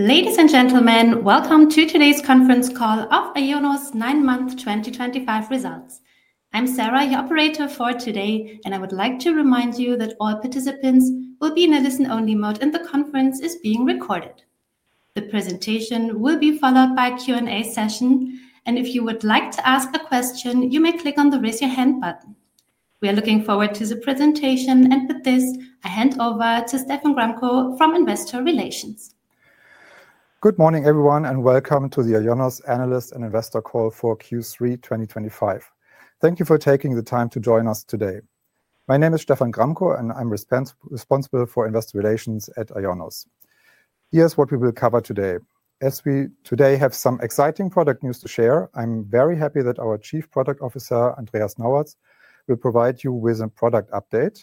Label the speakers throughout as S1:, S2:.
S1: Ladies and gentlemen, welcome to today's conference call of IONOS 9 month 2025 results. I'm Sarah, your operator for today, and I would like to remind you that all participants will be in a listen-only mode and the conference is being recorded. The presentation will be followed by a Q&A session, and if you would like to ask a question, you may click on the raise your hand button. We are looking forward to the presentation, and with this, I hand over to Stephan Gramkow from Investor Relations.
S2: Good morning, everyone, and welcome to the IONOS analyst and investor call for Q3 2025. Thank you for taking the time to join us today. My name is Stephan Gramkow, and I'm responsible for Investor Relations at IONOS. Here's what we will cover today. As we today have some exciting product news to share, I'm very happy that our Chief Product Officer, Andreas Nauerz, will provide you with a product update.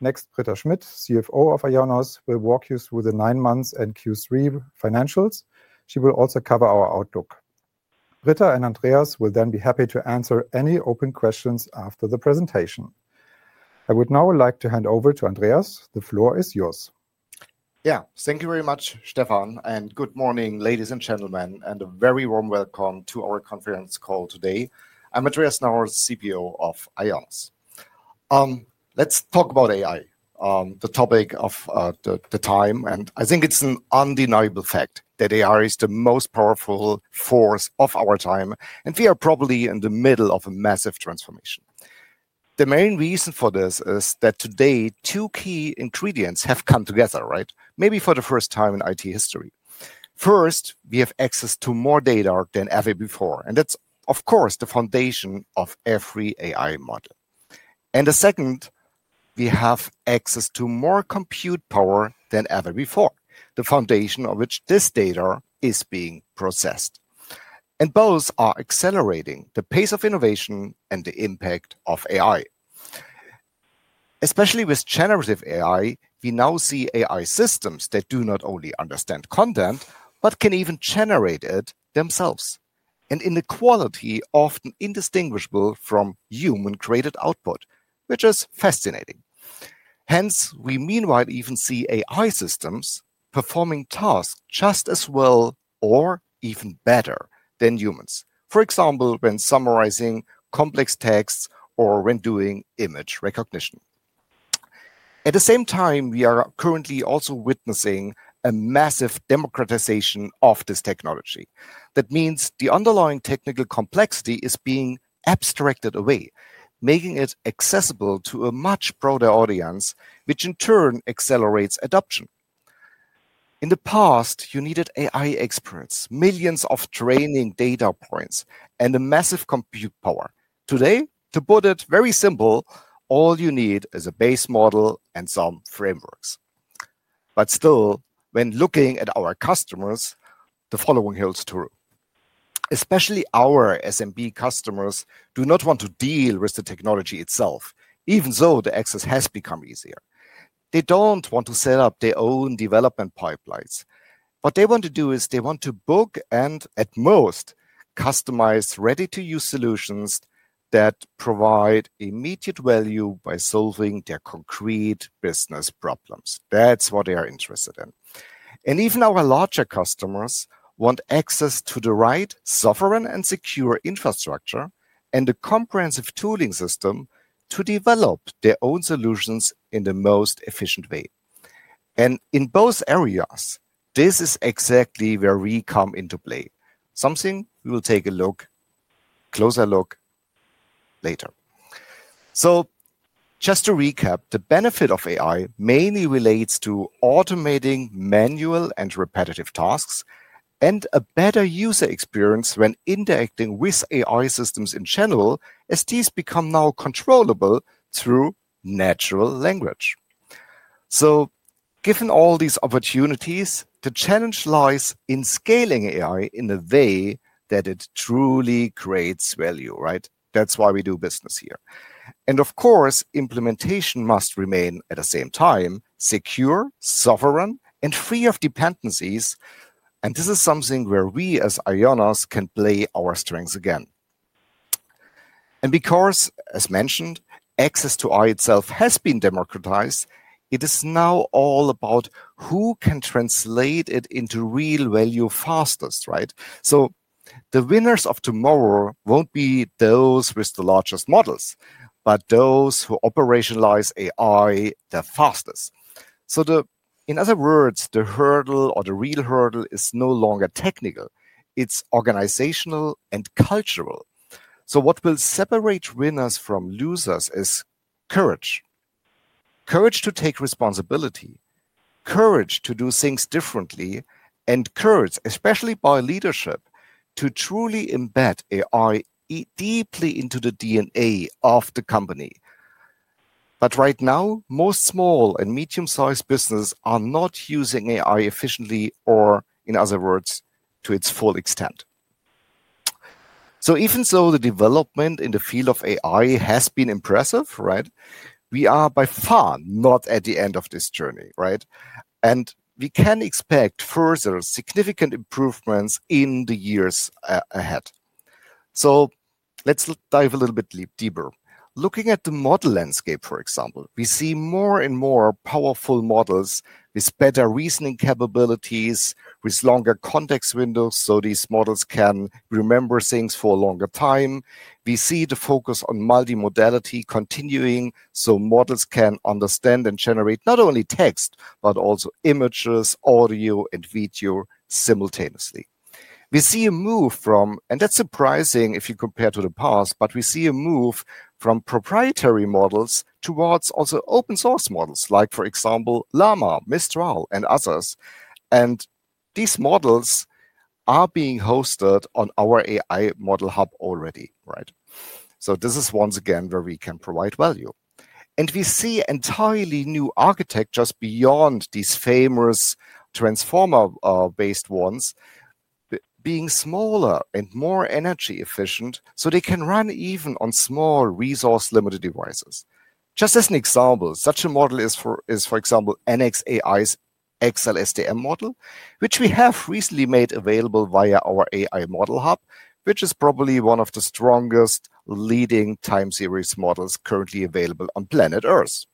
S2: Next, Britta Schmidt, CFO of IONOS, will walk you through the 9 months and Q3 financials. She will also cover our outlook. Britta and Andreas will then be happy to answer any open questions after the presentation. I would now like to hand over to Andreas. The floor is yours.
S3: Yeah, thank you very much, Stephan, and good morning, ladies and gentlemen, and a very warm welcome to our conference call today. I'm Andreas Nauerz, CPO of IONOS. Let's talk about AI, the topic of the time, and I think it's an undeniable fact that AI is the most powerful force of our time, and we are probably in the middle of a massive transformation. The main reason for this is that today, two key ingredients have come together, right? Maybe for the first time in IT history. First, we have access to more data than ever before, and that's, of course, the foundation of every AI model. The second, we have access to more compute power than ever before, the foundation on which this data is being processed. Both are accelerating the pace of innovation and the impact of AI. Especially with generative AI, we now see AI systems that do not only understand content, but can even generate it themselves, and in a quality often indistinguishable from human-created output, which is fascinating. Hence, we meanwhile even see AI systems performing tasks just as well or even better than humans, for example, when summarizing complex texts or when doing image recognition. At the same time, we are currently also witnessing a massive democratization of this technology. That means the underlying technical complexity is being abstracted away, making it accessible to a much broader audience, which in turn accelerates adoption. In the past, you needed AI experts, millions of training data points, and a massive compute power. Today, to put it very simple, all you need is a base model and some frameworks. Still, when looking at our customers, the following holds true. Especially our SMB customers do not want to deal with the technology itself, even though the access has become easier. They do not want to set up their own development pipelines. What they want to do is they want to book and, at most, customize ready-to-use solutions that provide immediate value by solving their concrete business problems. That is what they are interested in. Even our larger customers want access to the right sovereign and secure infrastructure and a comprehensive tooling system to develop their own solutions in the most efficient way. In both areas, this is exactly where we come into play, something we will take a closer look at later. Just to recap, the benefit of AI mainly relates to automating manual and repetitive tasks and a better user experience when interacting with AI systems in general, as these become now controllable through natural language. Given all these opportunities, the challenge lies in scaling AI in a way that it truly creates value, right? That is why we do business here. Of course, implementation must remain at the same time secure, sovereign, and free of dependencies. This is something where we as IONOS can play our strengths again. Because, as mentioned, access to AI itself has been democratized, it is now all about who can translate it into real value fastest, right? The winners of tomorrow will not be those with the largest models, but those who operationalize AI the fastest. In other words, the hurdle or the real hurdle is no longer technical. It is organizational and cultural. What will separate winners from losers is courage. Courage to take responsibility, courage to do things differently, and courage, especially by leadership, to truly embed AI deeply into the DNA of the company. Right now, most small and medium-sized businesses are not using AI efficiently or, in other words, to its full extent. Even though the development in the field of AI has been impressive, we are by far not at the end of this journey, right? We can expect further significant improvements in the years ahead. Let's dive a little bit deeper. Looking at the model landscape, for example, we see more and more powerful models with better reasoning capabilities, with longer context windows, so these models can remember things for a longer time. We see the focus on multimodality continuing, so models can understand and generate not only text, but also images, audio, and video simultaneously. We see a move from, and that's surprising if you compare to the past, but we see a move from proprietary models towards also open-source models, like for example, Llama, Mistral, and others. These models are being hosted on our AI Model Hub already, right? This is once again where we can provide value. We see entirely new architectures beyond these famous transformer-based ones being smaller and more energy efficient, so they can run even on small resource-limited devices. Just as an example, such a model is, for example, NXAI's xLSTM model, which we have recently made available via our AI Model Hub, which is probably one of the strongest leading time series models currently available on planet Earth.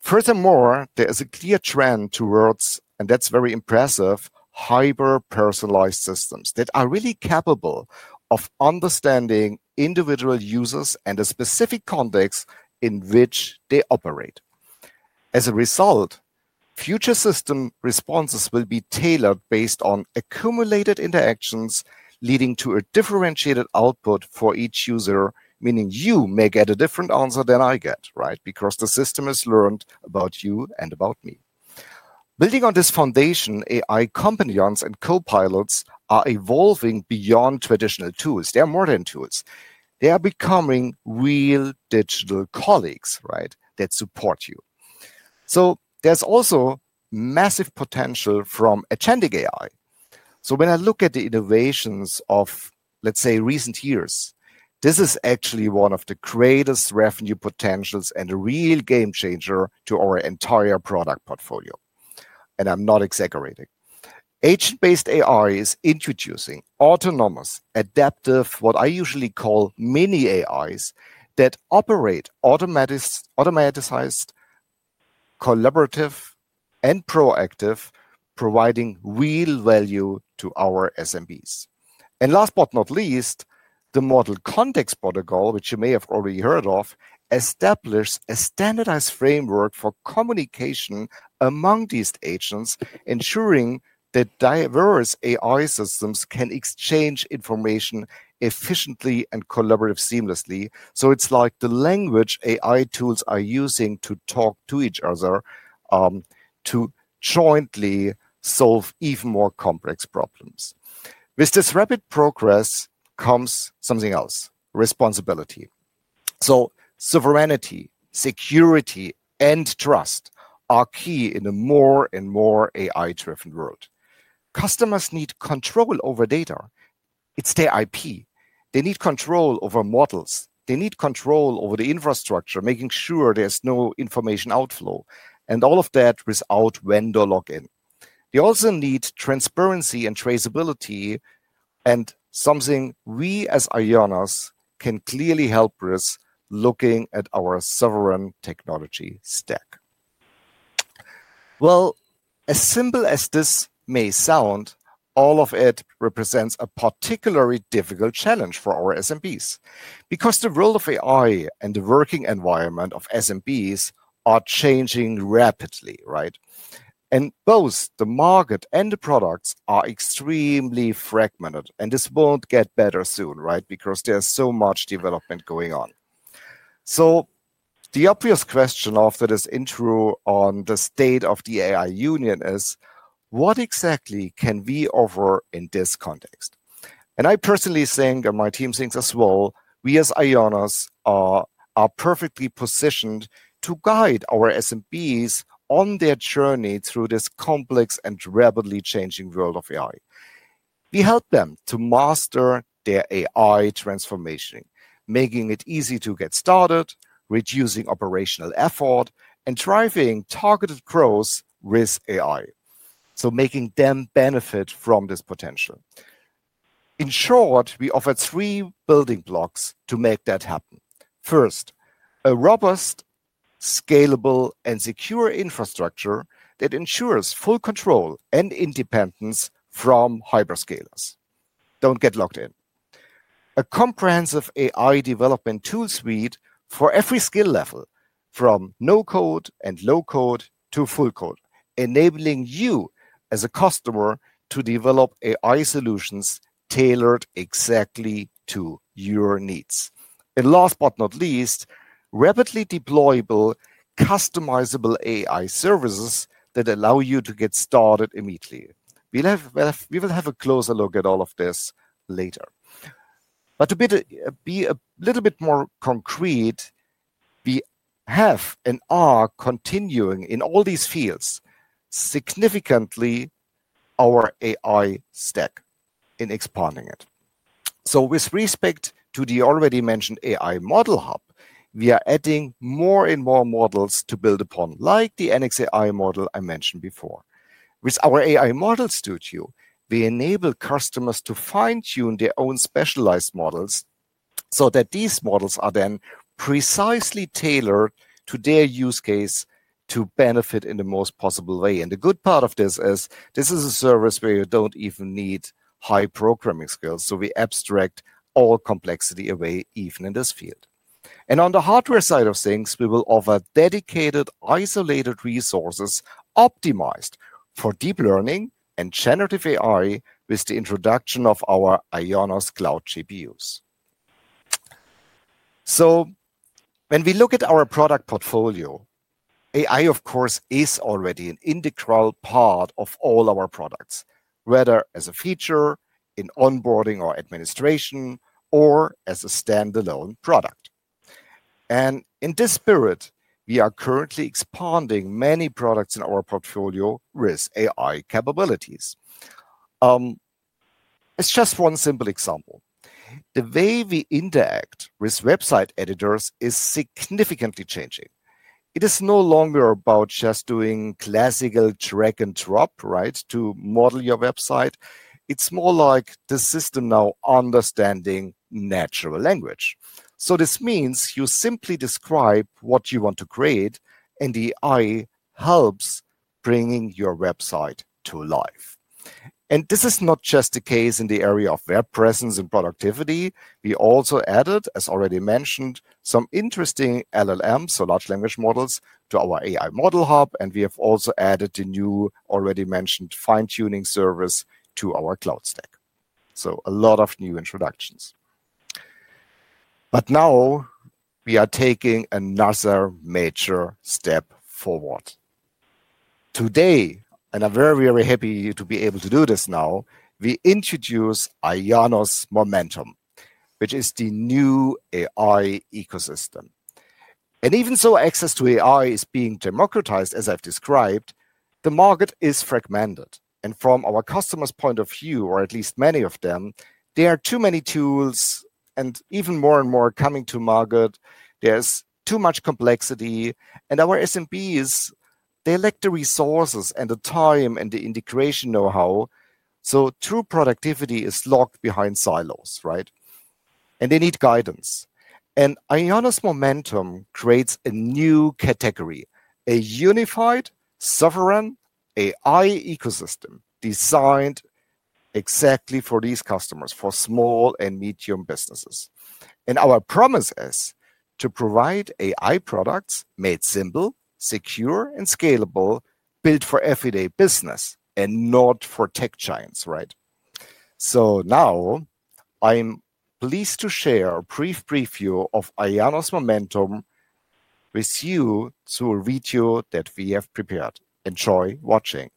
S3: Furthermore, there is a clear trend towards, and that's very impressive, hyper-personalized systems that are really capable of understanding individual users and the specific context in which they operate. As a result, future system responses will be tailored based on accumulated interactions leading to a differentiated output for each user, meaning you may get a different answer than I get, right? Because the system has learned about you and about me. Building on this foundation, AI companions and co-pilots are evolving beyond traditional tools. They are more than tools. They are becoming real digital colleagues, right, that support you. There is also massive potential from agentic AI. When I look at the innovations of, let's say, recent years, this is actually one of the greatest revenue potentials and a real game changer to our entire product portfolio. I'm not exaggerating. Agent-based AI is introducing autonomous, adaptive, what I usually call mini AIs that operate automaticized, collaborative, and proactive, providing real value to our SMBs. Last but not least, the model context protocol, which you may have already heard of, establishes a standardized framework for communication among these agents, ensuring that diverse AI systems can exchange information efficiently and collaboratively seamlessly. It is like the language AI tools are using to talk to each other to jointly solve even more complex problems. With this rapid progress comes something else: responsibility. Sovereignty, security, and trust are key in a more and more AI-driven world. Customers need control over data. It is their IP. They need control over models. They need control over the infrastructure, making sure there is no information outflow, and all of that without vendor lock-in. They also need transparency and traceability, and something we as IONOS can clearly help with looking at our sovereign technology stack. As simple as this may sound, all of it represents a particularly difficult challenge for our SMBs because the role of AI and the working environment of SMBs are changing rapidly, right? Both the market and the products are extremely fragmented, and this will not get better soon, right? There is so much development going on. The obvious question after this intro on the state of the AI union is, what exactly can we offer in this context? I personally think, and my team thinks as well, we as IONOS are perfectly positioned to guide our SMBs on their journey through this complex and rapidly changing world of AI. We help them to master their AI transformation, making it easy to get started, reducing operational effort, and driving targeted growth with AI, making them benefit from this potential. In short, we offer three building blocks to make that happen. First, a robust, scalable, and secure infrastructure that ensures full control and independence from hyperscalers. Do not get locked in. A comprehensive AI development tool suite for every skill level, from no-code and low-code to full-code, enabling you as a customer to develop AI solutions tailored exactly to your needs. Last but not least, rapidly deployable, customizable AI services that allow you to get started immediately. We will have a closer look at all of this later. To be a little bit more concrete, we have and are continuing in all these fields significantly our AI stack in expanding it. With respect to the already mentioned AI Model Hub, we are adding more and more models to build upon, like the NXAI model I mentioned before. With our AI Model Studio, we enable customers to fine-tune their own specialized models so that these models are then precisely tailored to their use case to benefit in the most possible way. The good part of this is this is a service where you do not even need high programming skills. We abstract all complexity away, even in this field. On the hardware side of things, we will offer dedicated isolated resources optimized for deep learning and generative AI with the introduction of our IONOS Cloud GPUs. When we look at our product portfolio, AI, of course, is already an integral part of all our products, whether as a feature in onboarding or administration or as a standalone product. In this spirit, we are currently expanding many products in our portfolio with AI capabilities. It is just one simple example. The way we interact with website editors is significantly changing. It is no longer about just doing classical drag and drop, right, to model your website. It is more like the system now understanding natural language. This means you simply describe what you want to create, and the AI helps bring your website to life. This is not just the case in the area of web presence and productivity. We also added, as already mentioned, some interesting LLMs, so large language models, to our AI Model Hub. We have also added the new, already mentioned, fine-tuning service to our cloud stack. A lot of new introductions. Now we are taking another major step forward. Today, and I am very, very happy to be able to do this now, we introduce IONOS Momentum, which is the new AI ecosystem. Even though access to AI is being democratized, as I have described, the market is fragmented. From our customers' point of view, or at least many of them, there are too many tools and even more and more coming to market. There is too much complexity. Our SMBs lack the resources and the time and the integration know-how. True productivity is locked behind silos, right? They need guidance. IONOS Momentum creates a new category, a unified sovereign AI ecosystem designed exactly for these customers, for small and medium businesses. Our promise is to provide AI products made simple, secure, and scalable, built for everyday business and not for tech giants, right? I am pleased to share a brief preview of IONOS Momentum with you through a video that we have prepared. Enjoy watching.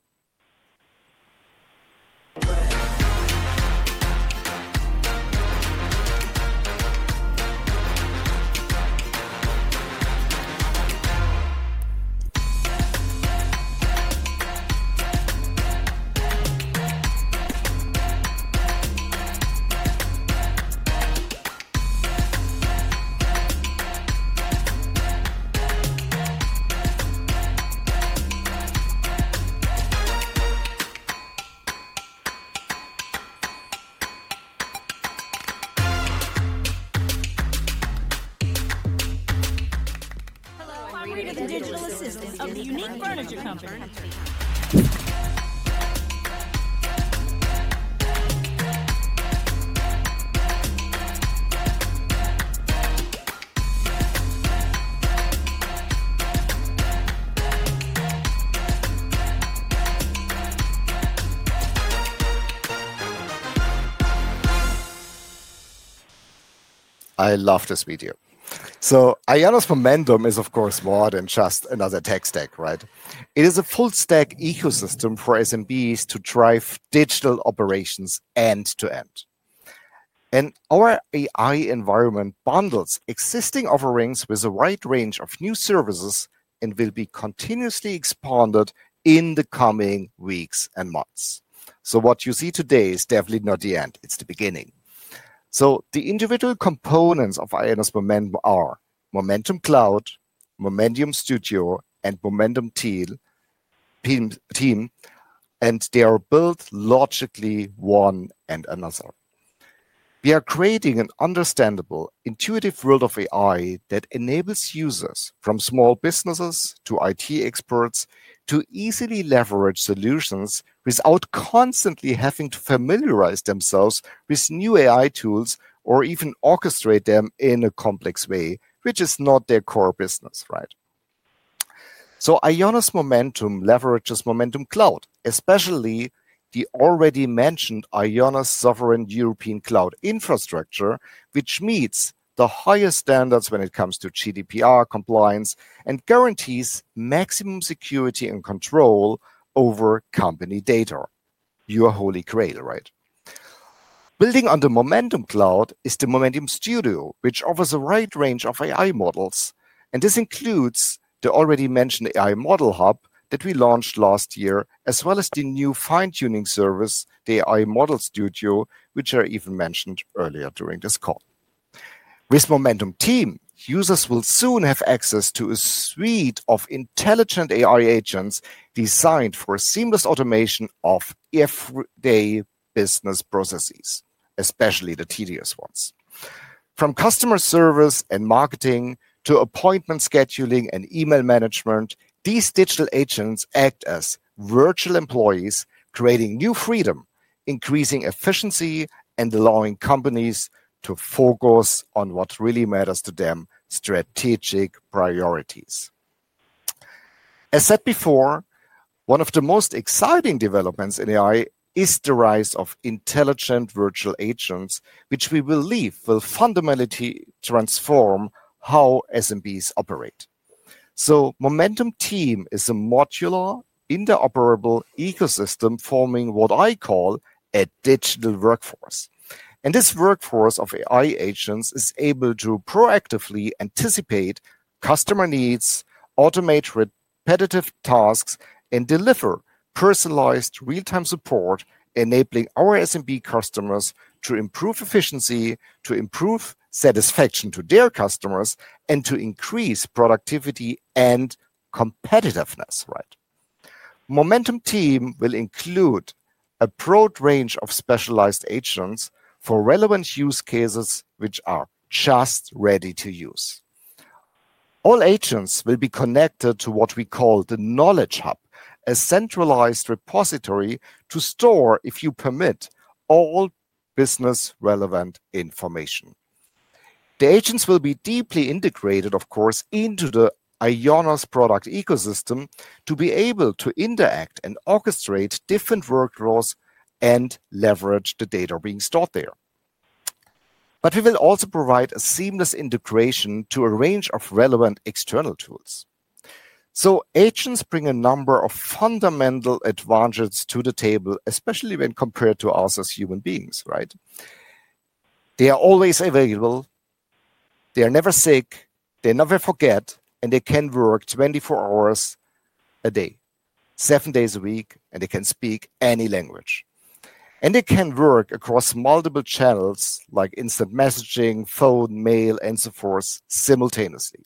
S3: Hello, I am ready with the digital assistant of a unique furniture company. I love this video. IONOS Momentum is, of course, more than just another tech stack, right? It is a full-stack ecosystem for SMBs to drive digital operations end to end. Our AI environment bundles existing offerings with a wide range of new services and will be continuously expanded in the coming weeks and months. What you see today is definitely not the end. It is the beginning. The individual components of IONOS Momentum are Momentum Cloud, Momentum Studio, and Momentum Team, and they are built logically one on another. We are creating an understandable, intuitive world of AI that enables users, from small businesses to IT experts, to easily leverage solutions without constantly having to familiarize themselves with new AI tools or even orchestrate them in a complex way, which is not their core business, right? IONOS Momentum leverages Momentum Cloud, especially the already mentioned IONOS Sovereign European Cloud Infrastructure, which meets the highest standards when it comes to GDPR compliance and guarantees maximum security and control over company data. Pure holy grail, right? Building on the Momentum Cloud is the Momentum Studio, which offers a wide range of AI models. This includes the already mentioned AI Model Hub that we launched last year, as well as the new fine-tuning service, the AI Model Studio, which I even mentioned earlier during this call. With Momentum Team, users will soon have access to a suite of intelligent AI agents designed for seamless automation of everyday business processes, especially the tedious ones. From customer service and marketing to appointment scheduling and email management, these digital agents act as virtual employees, creating new freedom, increasing efficiency, and allowing companies to focus on what really matters to them: strategic priorities. As said before, one of the most exciting developments in AI is the rise of intelligent virtual agents, which we believe will fundamentally transform how SMBs operate. Momentum Team is a modular, interoperable ecosystem forming what I call a digital workforce. This workforce of AI agents is able to proactively anticipate customer needs, automate repetitive tasks, and deliver personalized real-time support, enabling our SMB customers to improve efficiency, to improve satisfaction to their customers, and to increase productivity and competitiveness, right? Momentum Team will include a broad range of specialized agents for relevant use cases, which are just ready to use. All agents will be connected to what we call the Knowledge Hub, a centralized repository to store, if you permit, all business-relevant information. The agents will be deeply integrated, of course, into the IONOS product ecosystem to be able to interact and orchestrate different workflows and leverage the data being stored there. We will also provide a seamless integration to a range of relevant external tools. Agents bring a number of fundamental advantages to the table, especially when compared to us as human beings, right? They are always available. They are never sick. They never forget. They can work 24 hours a day, seven days a week, and they can speak any language. They can work across multiple channels like instant messaging, phone, mail, and so forth simultaneously.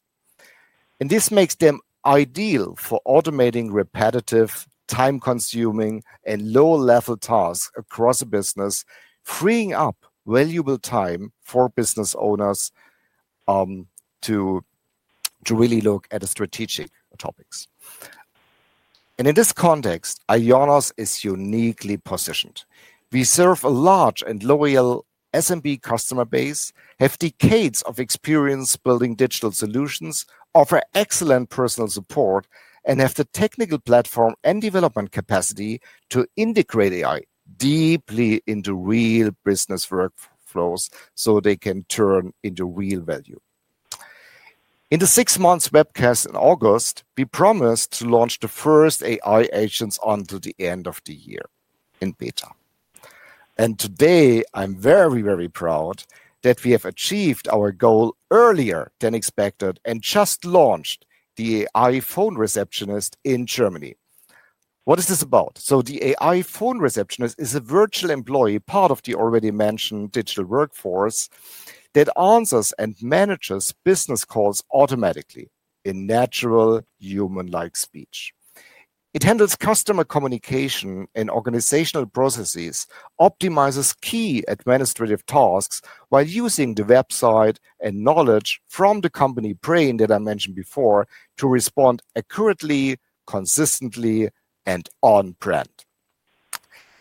S3: This makes them ideal for automating repetitive, time-consuming, and low-level tasks across a business, freeing up valuable time for business owners to really look at strategic topics. In this context, IONOS is uniquely positioned. We serve a large and loyal SMB customer base, have decades of experience building digital solutions, offer excellent personal support, and have the technical platform and development capacity to integrate AI deeply into real business workflows so they can turn into real value. In the six-month webcast in August, we promised to launch the first AI agents until the end of the year in beta. Today, I'm very, very proud that we have achieved our goal earlier than expected and just launched the AI phone receptionist in Germany. What is this about? The AI phone receptionist is a virtual employee, part of the already mentioned digital workforce that answers and manages business calls automatically in natural human-like speech. It handles customer communication and organizational processes, optimizes key administrative tasks while using the website and knowledge from the company brain that I mentioned before to respond accurately, consistently, and on-brand.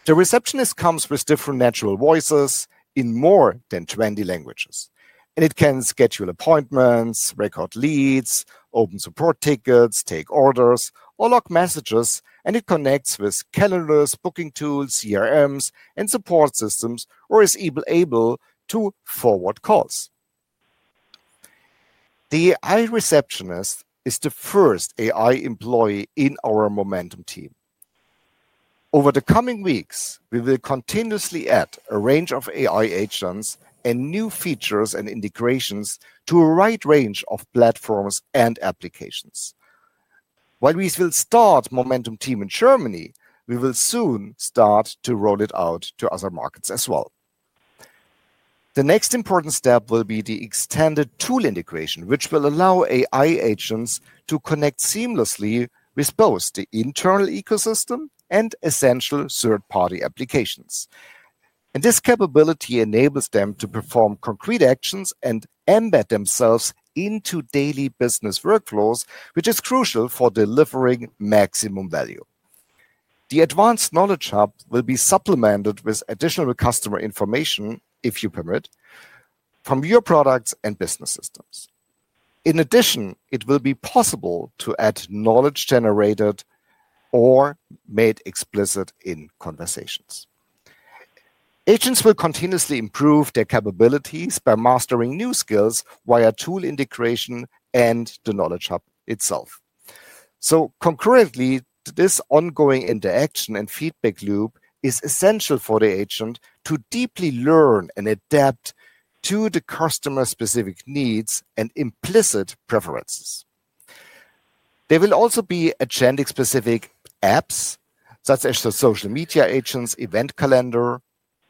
S3: The receptionist comes with different natural voices in more than 20 languages. It can schedule appointments, record leads, open support tickets, take orders, or lock messages. It connects with calendars, booking tools, CRMs, and support systems, or is even able to forward calls. The AI receptionist is the first AI employee in our Momentum Team. Over the coming weeks, we will continuously add a range of AI agents and new features and integrations to a wide range of platforms and applications. While we will start Momentum Team in Germany, we will soon start to roll it out to other markets as well. The next important step will be the extended tool integration, which will allow AI agents to connect seamlessly with both the internal ecosystem and essential third-party applications. This capability enables them to perform concrete actions and embed themselves into daily business workflows, which is crucial for delivering maximum value. The advanced Knowledge Hub will be supplemented with additional customer information, if you permit, from your products and business systems. In addition, it will be possible to add knowledge generated or made explicit in conversations. Agents will continuously improve their capabilities by mastering new skills via tool integration and the Knowledge Hub itself. Concurrently, this ongoing interaction and feedback loop is essential for the agent to deeply learn and adapt to the customer-specific needs and implicit preferences. There will also be agenda-specific apps, such as the social media agents, event calendar,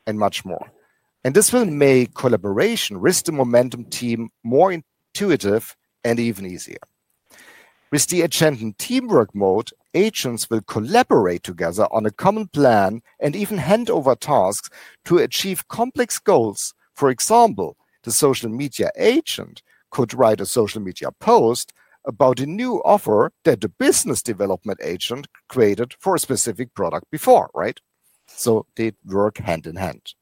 S3: and much more. This will make collaboration with the Momentum Team more intuitive and even easier. With the agenda and teamwork mode, agents will collaborate together on a common plan and even hand over tasks to achieve complex goals. For example, the social media agent could write a social media post about a new offer that the business development agent created for a specific product before, right? They work hand in hand.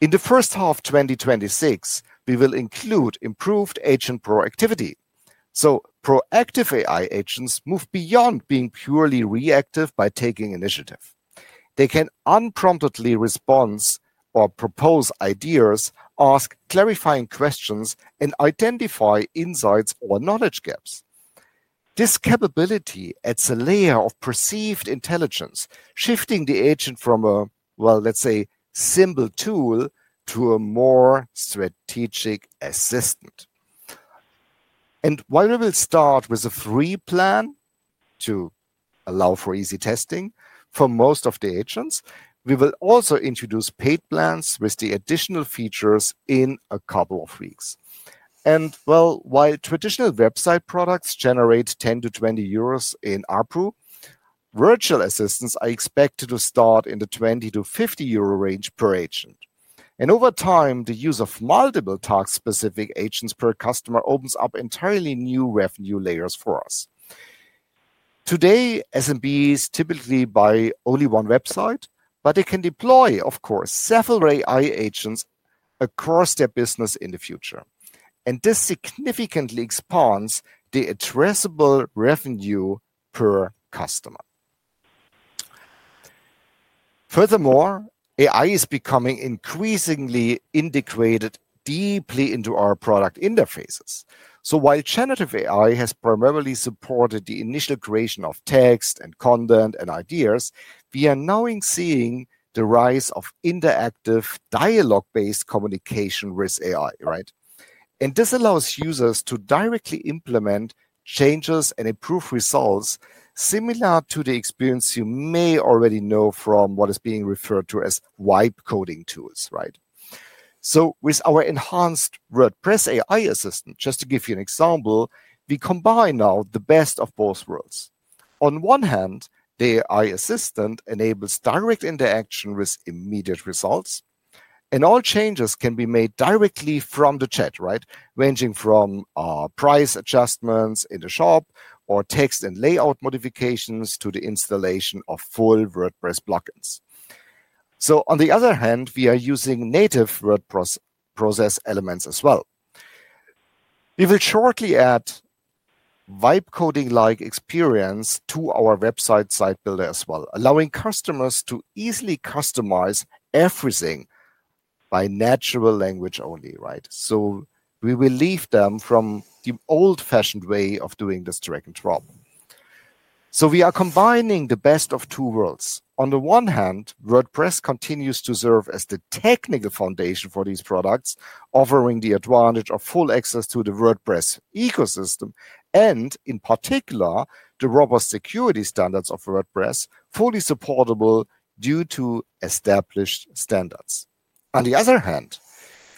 S3: In the first half of 2026, we will include improved agent proactivity. Proactive AI agents move beyond being purely reactive by taking initiative. They can unpromptedly respond or propose ideas, ask clarifying questions, and identify insights or knowledge gaps. This capability adds a layer of perceived intelligence, shifting the agent from a, well, let's say, simple tool to a more strategic assistant. While we will start with a free plan to allow for easy testing for most of the agents, we will also introduce paid plans with the additional features in a couple of weeks. While traditional website products generate 10-20 euros in ARPU, virtual assistants are expected to start in the 20-50 euro range per agent. Over time, the use of multiple task-specific agents per customer opens up entirely new revenue layers for us. Today, SMBs typically buy only one website, but they can deploy, of course, several AI agents across their business in the future. This significantly expands the addressable revenue per customer. Furthermore, AI is becoming increasingly integrated deeply into our product interfaces. While generative AI has primarily supported the initial creation of text and content and ideas, we are now seeing the rise of interactive dialogue-based communication with AI, right? This allows users to directly implement changes and improve results similar to the experience you may already know from what is being referred to as wipe coding tools, right? With our enhanced WordPress AI Assistant, just to give you an example, we combine now the best of both worlds. On one hand, the AI Assistant enables direct interaction with immediate results, and all changes can be made directly from the chat, right? Ranging from price adjustments in the shop or text and layout modifications to the installation of full WordPress plugins. On the other hand, we are using native WordPress process elements as well. We will shortly add wipe coding-like experience to our website site builder as well, allowing customers to easily customize everything by natural language only, right? We will leave them from the old-fashioned way of doing this drag and drop. We are combining the best of two worlds. On the one hand, WordPress continues to serve as the technical foundation for these products, offering the advantage of full access to the WordPress ecosystem and, in particular, the robust security standards of WordPress, fully supportable due to established standards. On the other hand,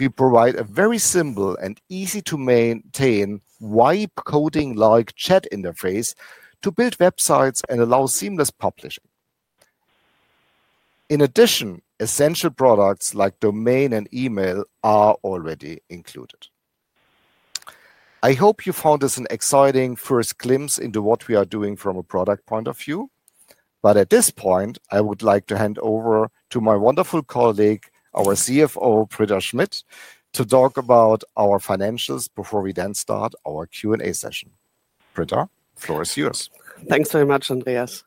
S3: we provide a very simple and easy-to-maintain wipe coding-like chat interface to build websites and allow seamless publishing. In addition, essential products like domain and email are already included. I hope you found this an exciting first glimpse into what we are doing from a product point of view. At this point, I would like to hand over to my wonderful colleague, our CFO, Britta Schmidt, to talk about our financials before we then start our Q&A session. Britta, the floor is yours.
S4: Thanks very much, Andreas.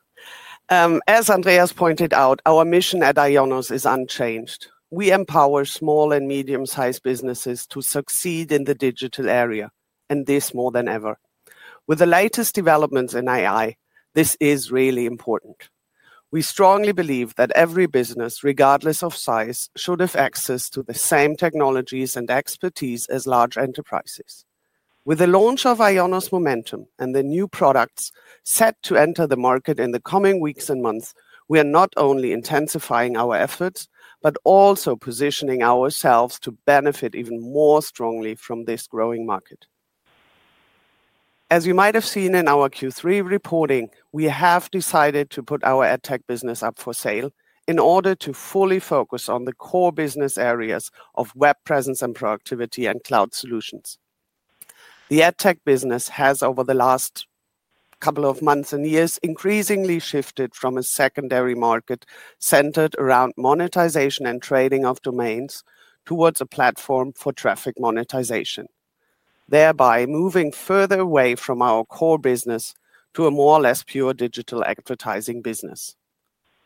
S4: As Andreas pointed out, our mission at IONOS is unchanged. We empower small and medium-sized businesses to succeed in the digital area, and this more than ever. With the latest developments in AI, this is really important. We strongly believe that every business, regardless of size, should have access to the same technologies and expertise as large enterprises. With the launch of IONOS Momentum and the new products set to enter the market in the coming weeks and months, we are not only intensifying our efforts, but also positioning ourselves to benefit even more strongly from this growing market. As you might have seen in our Q3 reporting, we have decided to put our AdTech business up for sale in order to fully focus on the core business areas of web presence and productivity and cloud solutions. The AdTech business has, over the last couple of months and years, increasingly shifted from a secondary market centered around monetization and trading of domains towards a platform for traffic monetization, thereby moving further away from our core business to a more or less pure digital advertising business.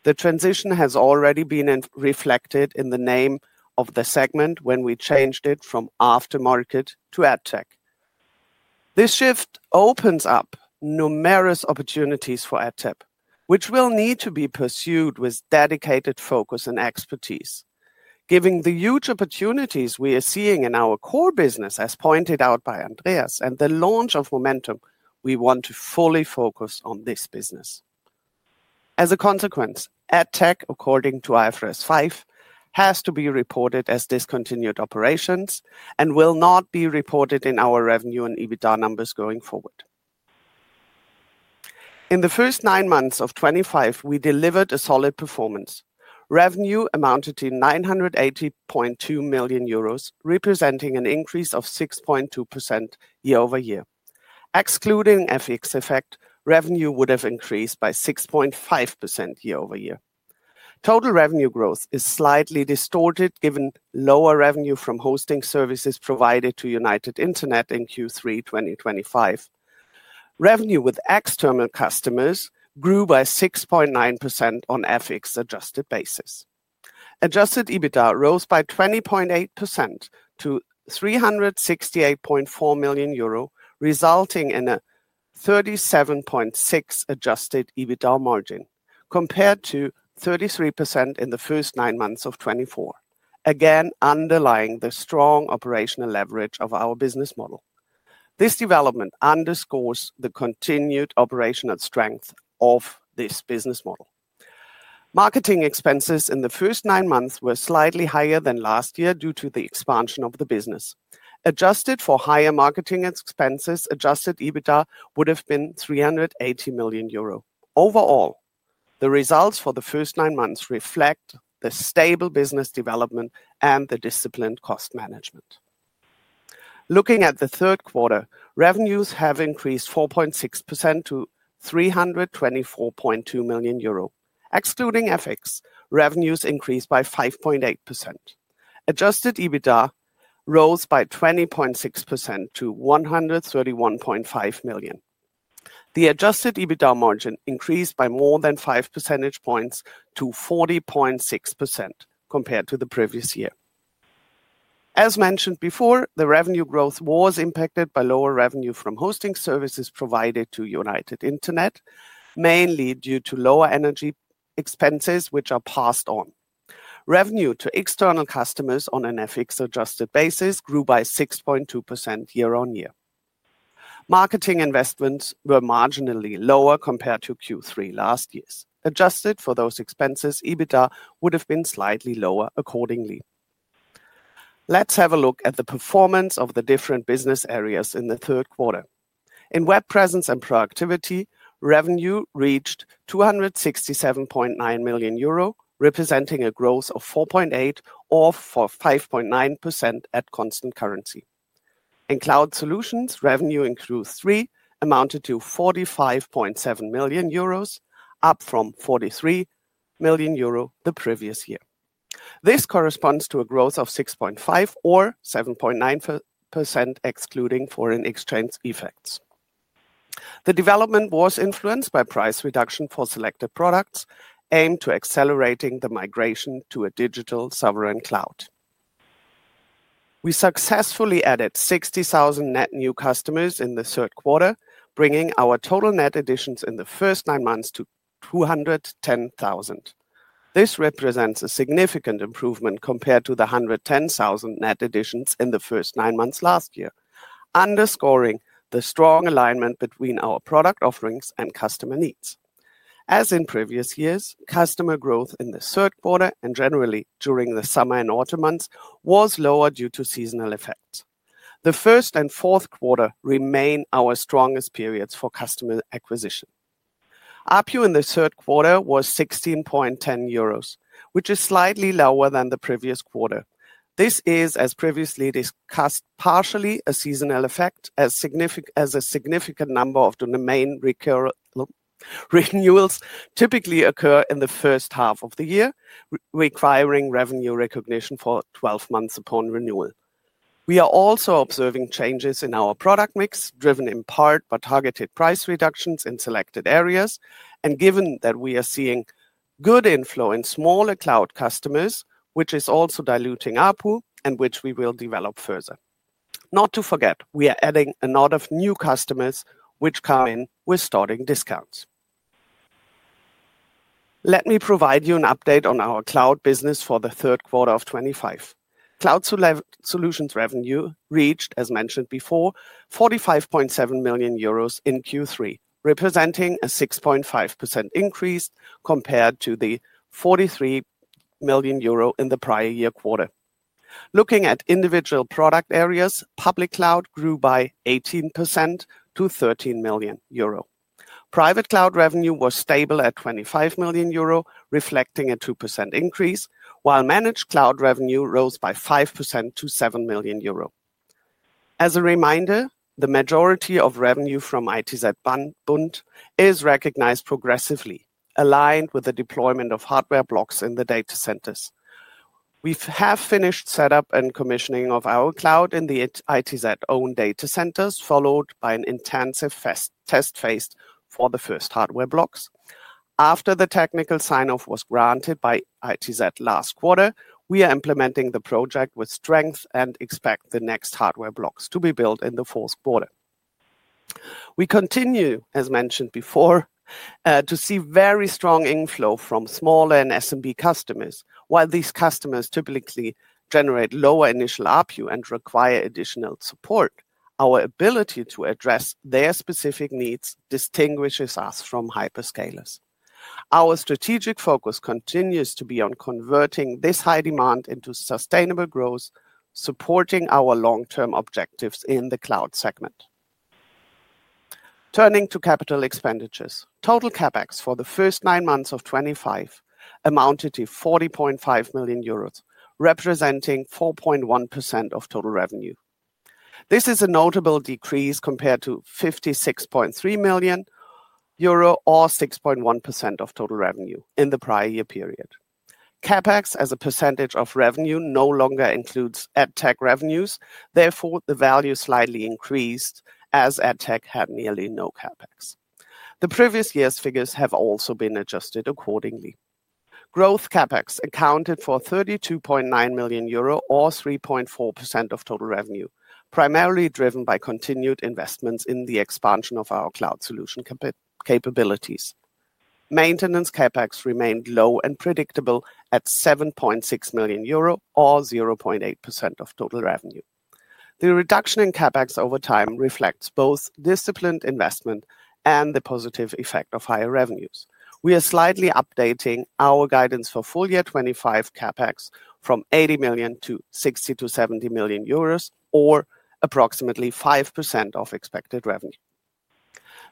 S4: The transition has already been reflected in the name of the segment when we changed it from aftermarket to AdTech. This shift opens up numerous opportunities for AdTech, which will need to be pursued with dedicated focus and expertise, given the huge opportunities we are seeing in our core business, as pointed out by Andreas, and the launch of Momentum. We want to fully focus on this business. As a consequence, AdTech, according to IFRS 5, has to be reported as discontinued operations and will not be reported in our revenue and EBITDA numbers going forward. In the first nine months of 2025, we delivered a solid performance. Revenue amounted to 980.2 million euros, representing an increase of 6.2% year-over-year. Excluding FX effect, revenue would have increased by 6.5% year-over-year. Total revenue growth is slightly distorted given lower revenue from hosting services provided to United Internet in Q3 2025. Revenue with external customers grew by 6.9% on FX adjusted basis. Adjusted EBITDA rose by 20.8% to 368.4 million euro, resulting in a 37.6% adjusted EBITDA margin compared to 33% in the first nine months of 2024, again underlying the strong operational leverage of our business model. This development underscores the continued operational strength of this business model. Marketing expenses in the first nine months were slightly higher than last year due to the expansion of the business. Adjusted for higher marketing expenses, adjusted EBITDA would have been 380 million euro. Overall, the results for the first nine months reflect the stable business development and the disciplined cost management. Looking at the third quarter, revenues have increased 4.6% to 324.2 million euro. Excluding FX, revenues increased by 5.8%. Adjusted EBITDA rose by 20.6% to 131.5 million. The adjusted EBITDA margin increased by more than 5 percentage points to 40.6% compared to the previous year. As mentioned before, the revenue growth was impacted by lower revenue from hosting services provided to United Internet, mainly due to lower energy expenses, which are passed on. Revenue to external customers on an FX adjusted basis grew by 6.2% year-on-year. Marketing investments were marginally lower compared to Q3 last year. Adjusted for those expenses, EBITDA would have been slightly lower accordingly. Let's have a look at the performance of the different business areas in the third quarter. In web presence and productivity, revenue reached 267.9 million euro, representing a growth of 4.8% or 5.9% at constant currency. In cloud solutions, revenue in Q3 amounted to 45.7 million euros, up from 43 million euro the previous year. This corresponds to a growth of 6.5% or 7.9% excluding foreign exchange effects. The development was influenced by price reduction for selected products aimed to accelerating the migration to a digital sovereign cloud. We successfully added 60,000 net new customers in the third quarter, bringing our total net additions in the first nine months to 210,000. This represents a significant improvement compared to the 110,000 net additions in the first nine months last year, underscoring the strong alignment between our product offerings and customer needs. As in previous years, customer growth in the third quarter and generally during the summer and autumn months was lower due to seasonal effects. The first and fourth quarter remain our strongest periods for customer acquisition. ARPU in the third quarter was 16.10 euros, which is slightly lower than the previous quarter. This is, as previously discussed, partially a seasonal effect, as a significant number of domain renewals typically occur in the first half of the year, requiring revenue recognition for 12 months upon renewal. We are also observing changes in our product mix, driven in part by targeted price reductions in selected areas, and given that we are seeing good inflow in smaller cloud customers, which is also diluting ARPU and which we will develop further. Not to forget, we are adding a lot of new customers, which come in with starting discounts. Let me provide you an update on our cloud business for the third quarter of 2025. Cloud solutions revenue reached, as mentioned before, 45.7 million euros in Q3, representing a 6.5% increase compared to the 43 million euro in the prior year quarter. Looking at individual product areas, public cloud grew by 18% to 13 million euro. Private cloud revenue was stable at 25 million euro, reflecting a 2% increase, while managed cloud revenue rose by 5% to 7 million euro. As a reminder, the majority of revenue from ITZBund is recognized progressively, aligned with the deployment of hardware blocks in the data centers. We have finished setup and commissioning of our cloud in the ITZBund-owned data centers, followed by an intensive test phase for the first hardware blocks. After the technical sign-off was granted by ITZBund last quarter, we are implementing the project with strength and expect the next hardware blocks to be built in the fourth quarter. We continue, as mentioned before, to see very strong inflow from smaller and SMB customers. While these customers typically generate lower initial ARPU and require additional support, our ability to address their specific needs distinguishes us from hyperscalers. Our strategic focus continues to be on converting this high demand into sustainable growth, supporting our long-term objectives in the cloud segment. Turning to capital expenditures, total CapEx for the first nine months of 2025 amounted to 40.5 million euros, representing 4.1% of total revenue. This is a notable decrease compared to 56.3 million euro or 6.1% of total revenue in the prior year period. CapEx as a percentage of revenue no longer includes AdTech revenues. Therefore, the value slightly increased as AdTech had nearly no CapEx. The previous year's figures have also been adjusted accordingly. Growth CapEx accounted for 32.9 million euro or 3.4% of total revenue, primarily driven by continued investments in the expansion of our cloud solution capabilities. Maintenance CapEx remained low and predictable at 7.6 million euro or 0.8% of total revenue. The reduction in CapEx over time reflects both disciplined investment and the positive effect of higher revenues. We are slightly updating our guidance for full year 2025 CapEx from 80 million to 60-70 million euros or approximately 5% of expected revenue.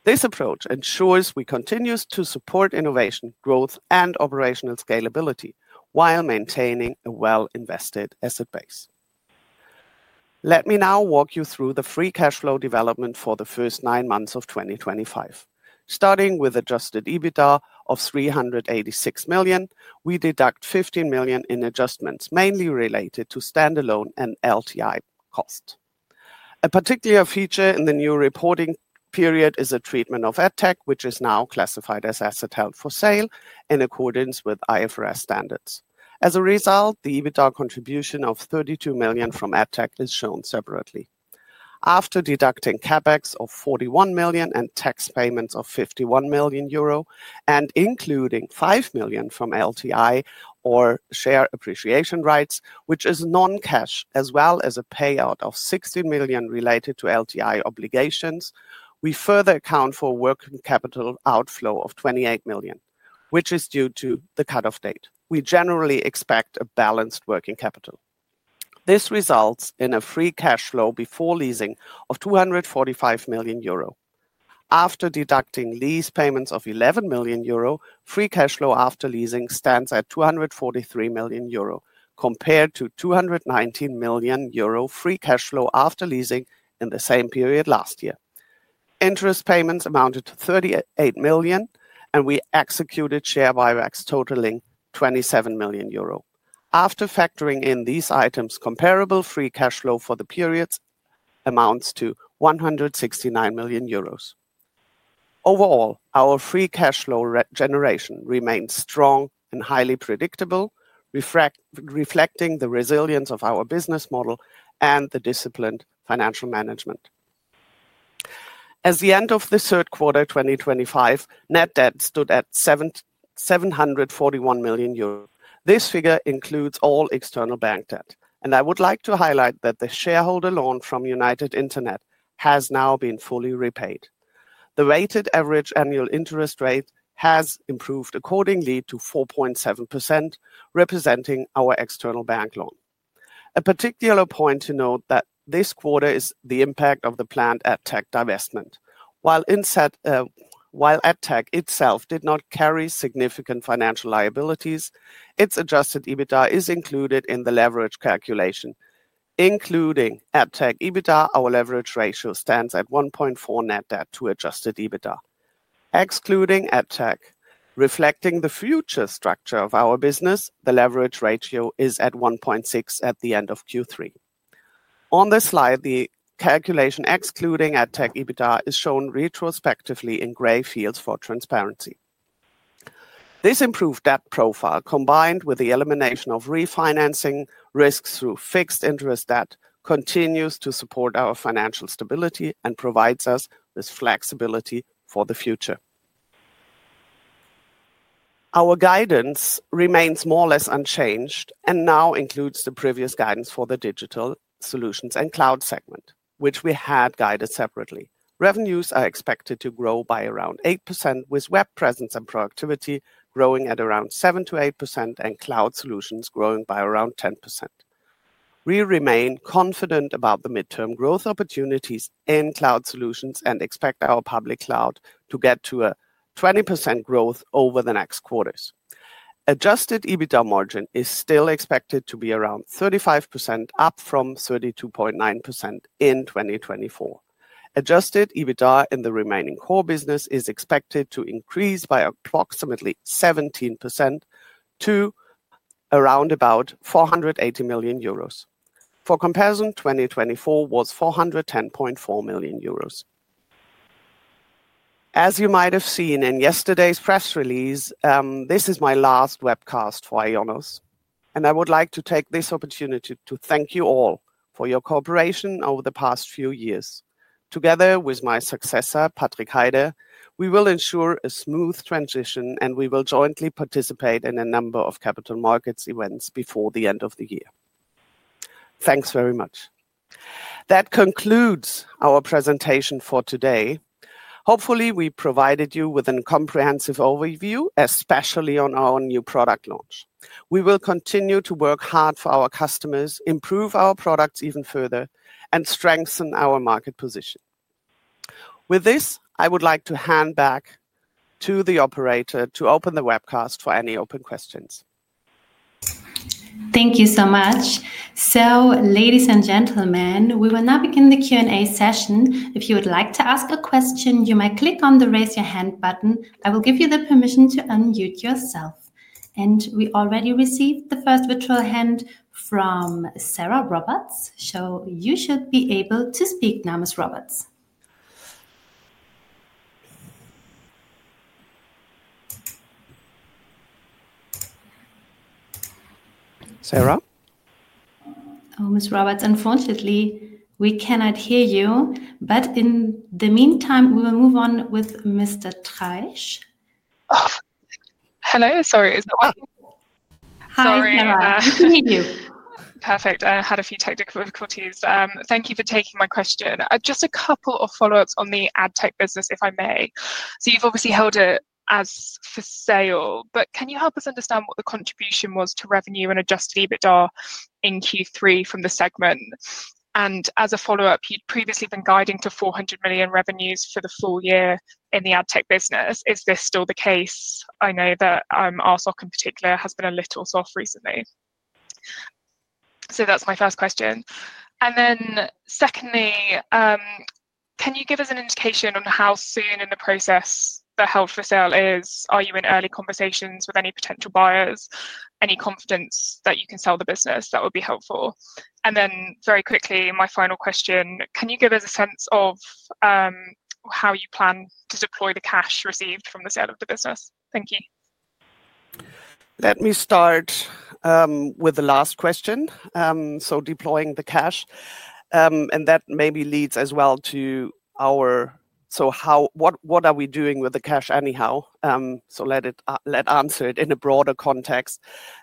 S4: This approach ensures we continue to support innovation, growth, and operational scalability while maintaining a well-invested asset base. Let me now walk you through the free cash flow development for the first nine months of 2025. Starting with adjusted EBITDA of 386 million, we deduct 15 million in adjustments mainly related to standalone and LTI costs. A particular feature in the new reporting period is the treatment of AdTech, which is now classified as asset held for sale in accordance with IFRS standards. As a result, the EBITDA contribution of 32 million from AdTech is shown separately. After deducting CapEx of 41 million and tax payments of 51 million euro and including 5 million from LTI or share appreciation rights, which is non-cash, as well as a payout of 60 million related to LTI obligations, we further account for working capital outflow of 28 million, which is due to the cut-off date. We generally expect a balanced working capital. This results in a free cash flow before leasing of 245 million euro. After deducting lease payments of 11 million euro, free cash flow after leasing stands at 243 million euro compared to 219 million euro free cash flow after leasing in the same period last year. Interest payments amounted to 38 million, and we executed share buybacks totaling 27 million euro. After factoring in these items, comparable free cash flow for the periods amounts to 169 million euros. Overall, our free cash flow generation remains strong and highly predictable, reflecting the resilience of our business model and the disciplined financial management. As of the end of the third quarter 2025, net debt stood at 741 million euros. This figure includes all external bank debt, and I would like to highlight that the shareholder loan from United Internet has now been fully repaid. The rated average annual interest rate has improved accordingly to 4.7%, representing our external bank loan. A particular point to note is that this quarter is the impact of the planned AdTech divestment. While AdTech itself did not carry significant financial liabilities, its adjusted EBITDA is included in the leverage calculation. Including AdTech EBITDA, our leverage ratio stands at 1.4 net debt to adjusted EBITDA. Excluding AdTech, reflecting the future structure of our business, the leverage ratio is at 1.6 at the end of Q3. On this slide, the calculation excluding AdTech EBITDA is shown retrospectively in gray fields for transparency. This improved debt profile, combined with the elimination of refinancing risks through fixed interest debt, continues to support our financial stability and provides us with flexibility for the future. Our guidance remains more or less unchanged and now includes the previous guidance for the digital solutions and cloud segment, which we had guided separately. Revenues are expected to grow by around 8%, with web presence and productivity growing at around 7%-8% and cloud solutions growing by around 10%. We remain confident about the midterm growth opportunities in cloud solutions and expect our public cloud to get to a 20% growth over the next quarters. Adjusted EBITDA margin is still expected to be around 35%, up from 32.9% in 2024. Adjusted EBITDA in the remaining core business is expected to increase by approximately 17% to around about 480 million euros. For comparison, 2024 was 410.4 million euros. As you might have seen in yesterday's press release, this is my last webcast for IONOS, and I would like to take this opportunity to thank you all for your cooperation over the past few years. Together with my successor, Patrik Heider, we will ensure a smooth transition, and we will jointly participate in a number of capital markets events before the end of the year. Thanks very much. That concludes our presentation for today. Hopefully, we provided you with a comprehensive overview, especially on our new product launch. We will continue to work hard for our customers, improve our products even further, and strengthen our market position. With this, I would like to hand back to the operator to open the webcast for any open questions.
S1: Thank you so much. Ladies and gentlemen, we will now begin the Q&A session. If you would like to ask a question, you may click on the raise your hand button. I will give you the permission to unmute yourself. We already received the first virtual hand from Sarah Roberts. You should be able to speak now, Ms. Roberts. Sarah? Ms. Roberts, unfortunately, we cannot hear you. In the meantime, we will move on with Mr. Treisch.
S5: Hello. Sorry.
S1: Hi, Sarah. Nice to meet you.
S5: Perfect. I had a few technical difficulties. Thank you for taking my question. Just a couple of follow-ups on the AdTech business, if I may. You have obviously held it as for sale, but can you help us understand what the contribution was to revenue and adjusted EBITDA in Q3 from the segment? As a follow-up, you had previously been guiding to 400 million revenues for the full year in the AdTech business. Is this still the case? I know that ASOC in particular has been a little soft recently. That is my first question. Secondly, can you give us an indication on how soon in the process the held for sale is? Are you in early conversations with any potential buyers? Any confidence that you can sell the business? That would be helpful. Very quickly, my final question, can you give us a sense of how you plan to deploy the cash received from the sale of the business? Thank you.
S4: Let me start with the last question. Deploying the cash, and that maybe leads as well to our—so what are we doing with the cash anyhow? Let's answer it in a broader context.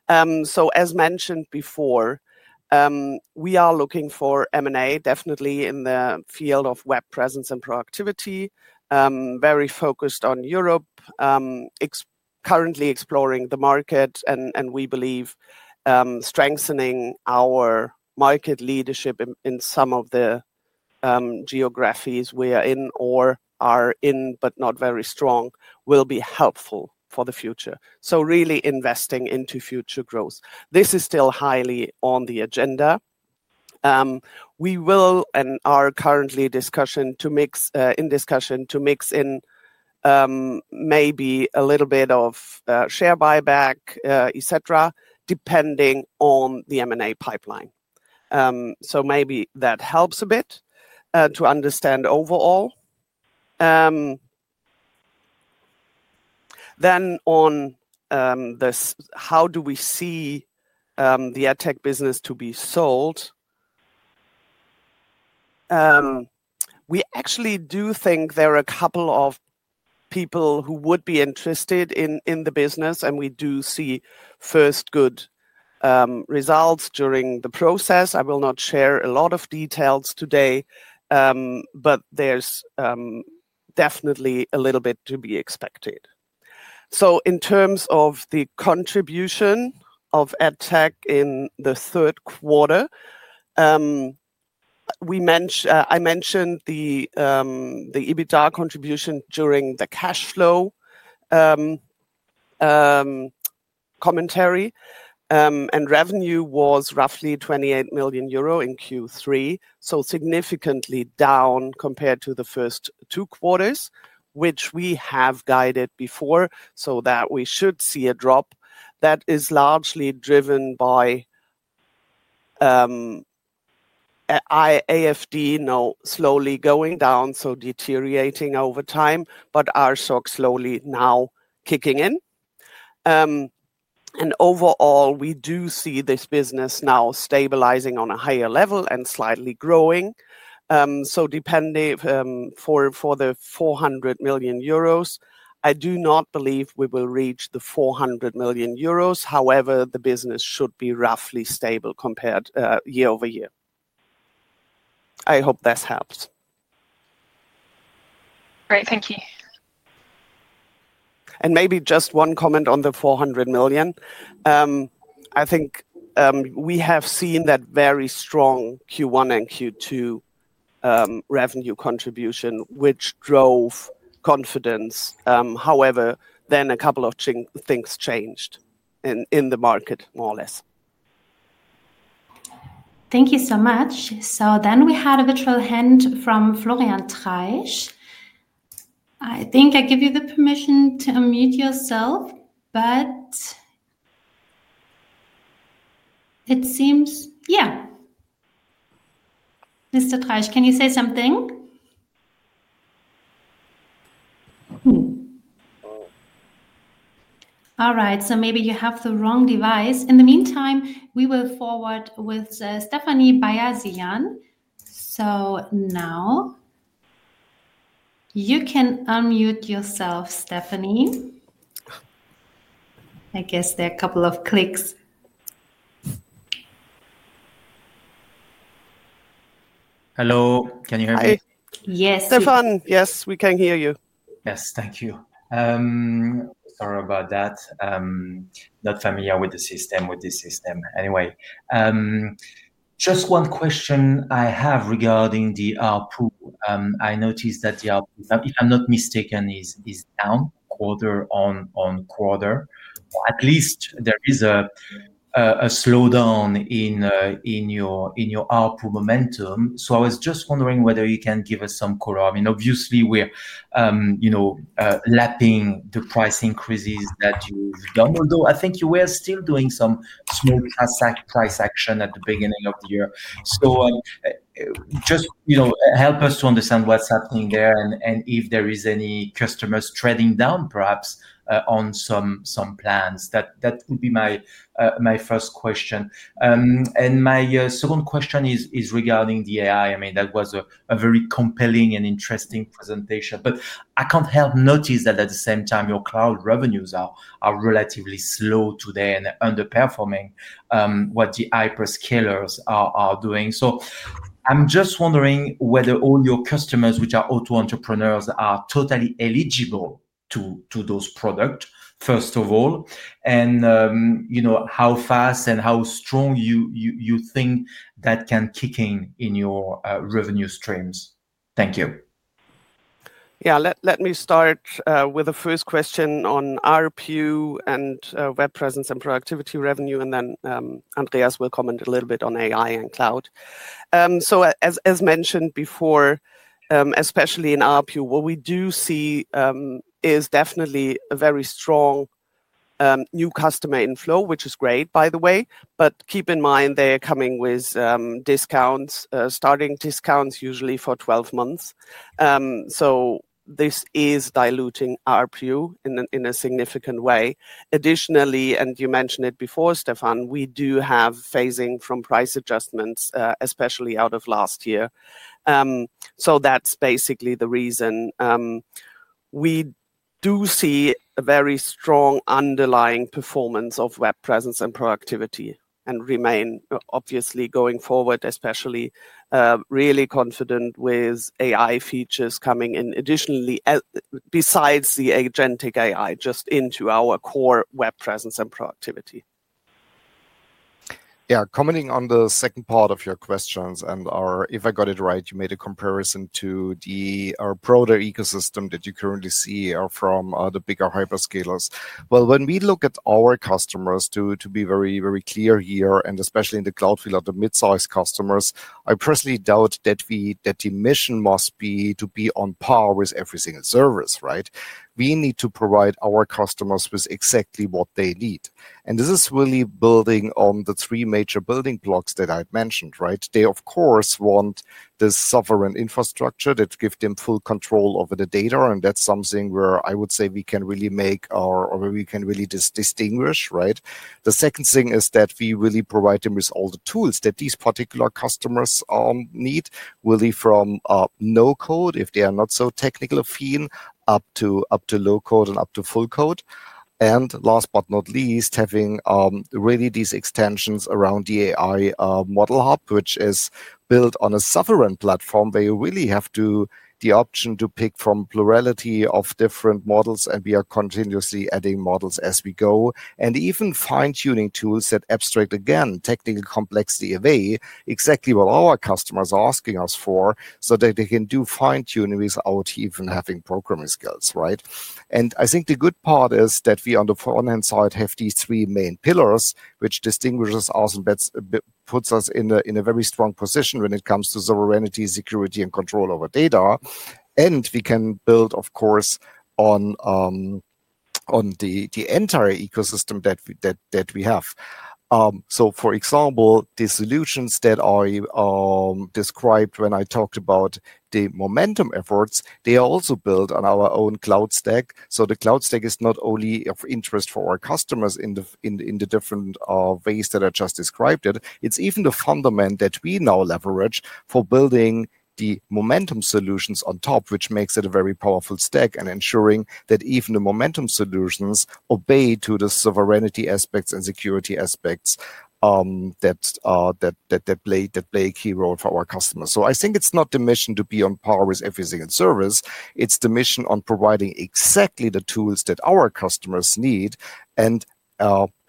S4: As mentioned before, we are looking for M&A, definitely in the field of web presence and productivity, very focused on Europe, currently exploring the market, and we believe strengthening our market leadership in some of the geographies we are in or are in but not very strong will be helpful for the future. Really investing into future growth. This is still highly on the agenda. We will, in our current discussion, to mix in discussion, to mix in maybe a little bit of share buyback, etc., depending on the M&A pipeline. Maybe that helps a bit to understand overall. On this, how do we see the AdTech business to be sold? We actually do think there are a couple of people who would be interested in the business, and we do see first good results during the process. I will not share a lot of details today, but there is definitely a little bit to be expected. In terms of the contribution of AdTech in the third quarter, I mentioned the EBITDA contribution during the cash flow commentary, and revenue was roughly 28 million euro in Q3, so significantly down compared to the first two quarters, which we have guided before, so that we should see a drop. That is largely driven by AFD, now slowly going down, so deteriorating over time, but RSOC slowly now kicking in. Overall, we do see this business now stabilizing on a higher level and slightly growing. Depending for the 400 million euros, I do not believe we will reach the 400 million euros. However, the business should be roughly stable compared year-over-year. I hope this helps. Great. Thank you. Maybe just one comment on the 400 million. I think we have seen that very strong Q1 and Q2 revenue contribution, which drove confidence. However, then a couple of things changed in the market, more or less.
S1: Thank you so much. We had a virtual hand from Florian Treisch. I think I give you the permission to unmute yourself, but it seems, yeah. Mr. Treisch, can you say something? All right. Maybe you have the wrong device. In the meantime, we will forward with Stéphane Beyazian. Now you can unmute yourself, Stephanie. I guess there are a couple of clicks.
S6: Hello. Can you hear me?
S1: Yes.
S4: Stefan, yes, we can hear you.
S6: Yes. Thank you. Sorry about that. Not familiar with the system, with this system. Anyway, just one question I have regarding the output. I noticed that the output, if I'm not mistaken, is down quarter on quarter. At least there is a slowdown in your output momentum. I was just wondering whether you can give us some color. I mean, obviously, we're lapping the price increases that you've done, although I think you were still doing some small price action at the beginning of the year. Just help us to understand what's happening there and if there is any customers trading down, perhaps, on some plans. That would be my first question. My second question is regarding the AI. I mean, that was a very compelling and interesting presentation, but I can't help notice that at the same time, your cloud revenues are relatively slow today and underperforming what the hyperscalers are doing. I am just wondering whether all your customers, which are auto entrepreneurs, are totally eligible to those products, first of all, and how fast and how strong you think that can kick in in your revenue streams. Thank you.
S4: Yeah, let me start with the first question on ARPU and web presence and productivity revenue, and then Andreas will comment a little bit on AI and cloud. As mentioned before, especially in ARPU, what we do see is definitely a very strong new customer inflow, which is great, by the way, but keep in mind they are coming with discounts, starting discounts usually for 12 months. This is diluting ARPU in a significant way. Additionally, and you mentioned it before, Stephanie, we do have phasing from price adjustments, especially out of last year. That is basically the reason. We do see a very strong underlying performance of web presence and productivity and remain, obviously, going forward, especially really confident with AI features coming in additionally besides the agentic AI, just into our core web presence and productivity.
S3: Yeah, commenting on the second part of your questions and our, if I got it right, you made a comparison to the broader ecosystem that you currently see from the bigger hyperscalers. When we look at our customers, to be very, very clear here, and especially in the cloud field, the mid-size customers, I personally doubt that the mission must be to be on par with every single service, right? We need to provide our customers with exactly what they need. This is really building on the three major building blocks that I've mentioned, right? They, of course, want the sovereign infrastructure that gives them full control over the data, and that's something where I would say we can really make our, or we can really distinguish, right? The second thing is that we really provide them with all the tools that these particular customers need, really from no code, if they are not so technical-affine, up to low code and up to full code. Last but not least, having really these extensions around the AI Model Hub, which is built on a sovereign platform where you really have the option to pick from a plurality of different models, and we are continuously adding models as we go, and even fine-tuning tools that abstract, again, technical complexity away, exactly what our customers are asking us for, so that they can do fine-tuning without even having programming skills, right? I think the good part is that we on the front-end side have these three main pillars, which distinguishes us and puts us in a very strong position when it comes to sovereignty, security, and control over data. We can build, of course, on the entire ecosystem that we have. For example, the solutions that I described when I talked about the momentum efforts, they are also built on our own cloud stack. The cloud stack is not only of interest for our customers in the different ways that I just described it. It is even the fundament that we now leverage for building the Momentum solutions on top, which makes it a very powerful stack and ensuring that even the Momentum solutions obey to the sovereignty aspects and security aspects that play a key role for our customers. I think it is not the mission to be on par with every single service. It is the mission on providing exactly the tools that our customers need and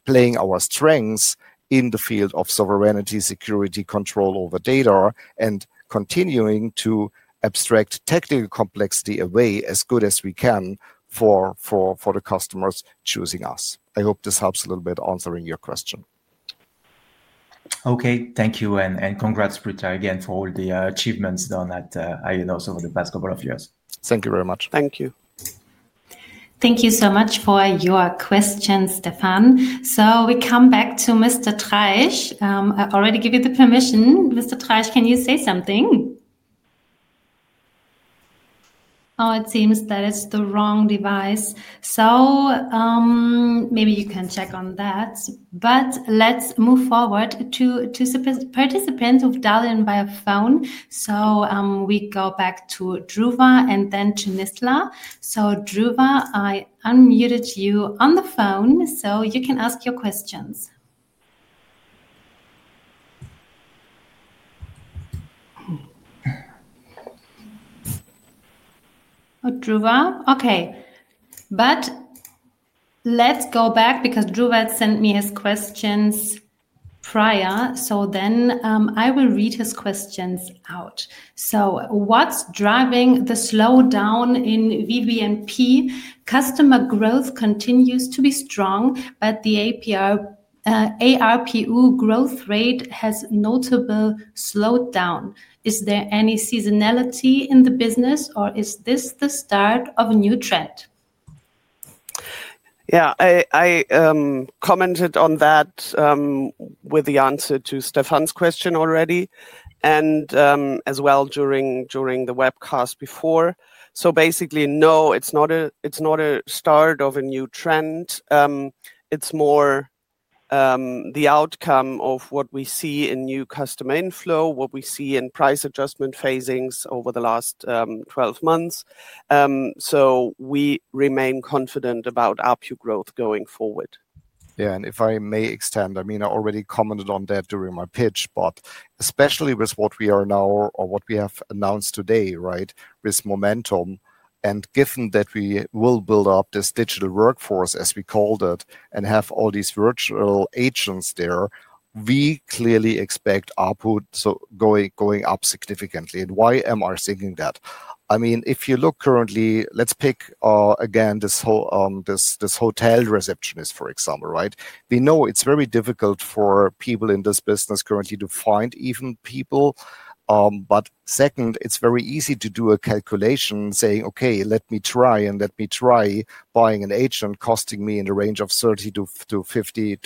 S3: playing our strengths in the field of sovereignty, security, control over data, and continuing to abstract technical complexity away as good as we can for the customers choosing us. I hope this helps a little bit answering your question.
S6: Okay. Thank you. Congrats, Britta, again, for all the achievements done at IONOS over the past couple of years.
S3: Thank you very much.
S4: Thank you.
S1: Thank you so much for your questions, Stefan. We come back to Mr. Treisch. I already gave you the permission. Mr. Treisch, can you say something? Oh, it seems that it is the wrong device. Maybe you can check on that. Let's move forward to participants who have dialed in via phone. We go back to Dhruva and then to Nizla. Dhruva, I unmuted you on the phone, so you can ask your questions. Dhruva, okay. Let's go back because Dhruva had sent me his questions prior. I will read his questions out. What is driving the slowdown in VBNP? Customer growth continues to be strong, but the ARPU growth rate has notably slowed down. Is there any seasonality in the business, or is this the start of a new trend?
S4: Yeah, I commented on that with the answer to Stéphane's question already, and as well during the webcast before. Basically, no, it's not a start of a new trend. It's more the outcome of what we see in new customer inflow, what we see in price adjustment phasings over the last 12 months. We remain confident about ARPU growth going forward.
S3: Yeah, and if I may extend, I mean, I already commented on that during my pitch, but especially with what we are now or what we have announced today, right, with Momentum. Given that we will build up this digital workforce, as we called it, and have all these virtual agents there, we clearly expect output going up significantly. And why am I thinking that? I mean, if you look currently, let's pick again this hotel receptionist, for example, right? We know it's very difficult for people in this business currently to find even people. Second, it's very easy to do a calculation saying, "Okay, let me try and let me try buying an agent costing me in the range of 30-50."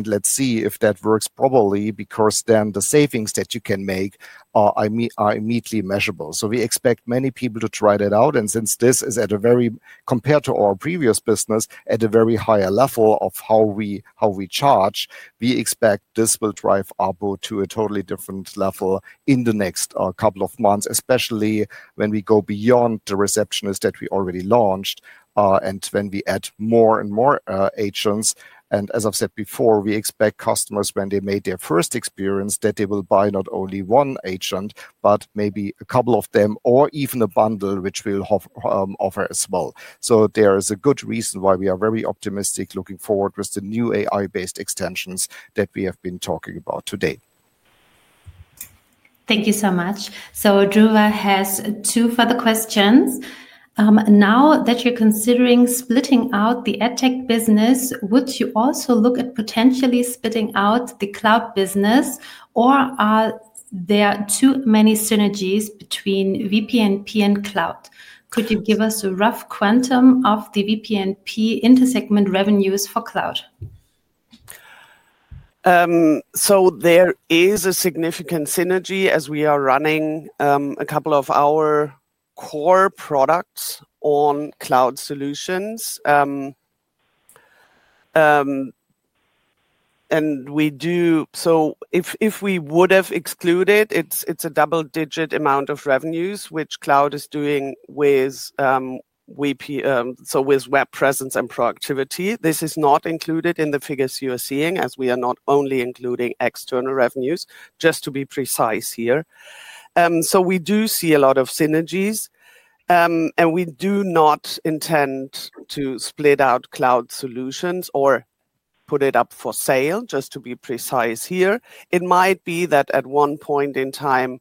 S3: Let's see if that works properly because then the savings that you can make are immediately measurable. We expect many people to try that out. Since this is at a very, compared to our previous business, at a very higher level of how we charge, we expect this will drive output to a totally different level in the next couple of months, especially when we go beyond the receptionist that we already launched and when we add more and more agents. As I've said before, we expect customers, when they made their first experience, that they will buy not only one agent, but maybe a couple of them or even a bundle, which we'll offer as well. There is a good reason why we are very optimistic looking forward with the new AI-based extensions that we have been talking about today.
S1: Thank you so much. Dhruva has two further questions. Now that you're considering splitting out the AdTech business, would you also look at potentially splitting out the cloud business, or are there too many synergies between VPNP and cloud? Could you give us a rough quantum of the VPNP intersegment revenues for cloud?
S4: There is a significant synergy as we are running a couple of our core products on cloud solutions. If we would have excluded, it is a double-digit amount of revenues, which cloud is doing with web presence and productivity. This is not included in the figures you are seeing, as we are not only including external revenues, just to be precise here. We do see a lot of synergies, and we do not intend to split out cloud solutions or put it up for sale, just to be precise here. It might be that at one point in time,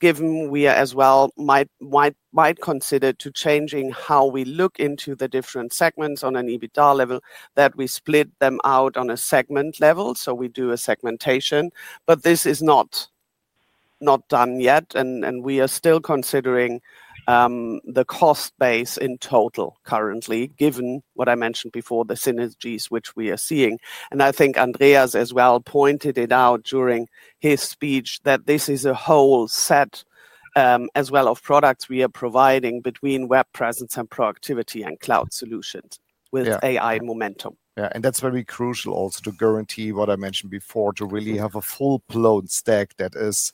S4: given we as well might consider changing how we look into the different segments on an EBITDA level, that we split them out on a segment level. We do a segmentation, but this is not done yet, and we are still considering the cost base in total currently, given what I mentioned before, the synergies which we are seeing. I think Andreas as well pointed it out during his speech that this is a whole set as well of products we are providing between web presence and productivity and cloud solutions with AI momentum.
S3: Yeah, and that's very crucial also to guarantee what I mentioned before, to really have a full-blown stack that is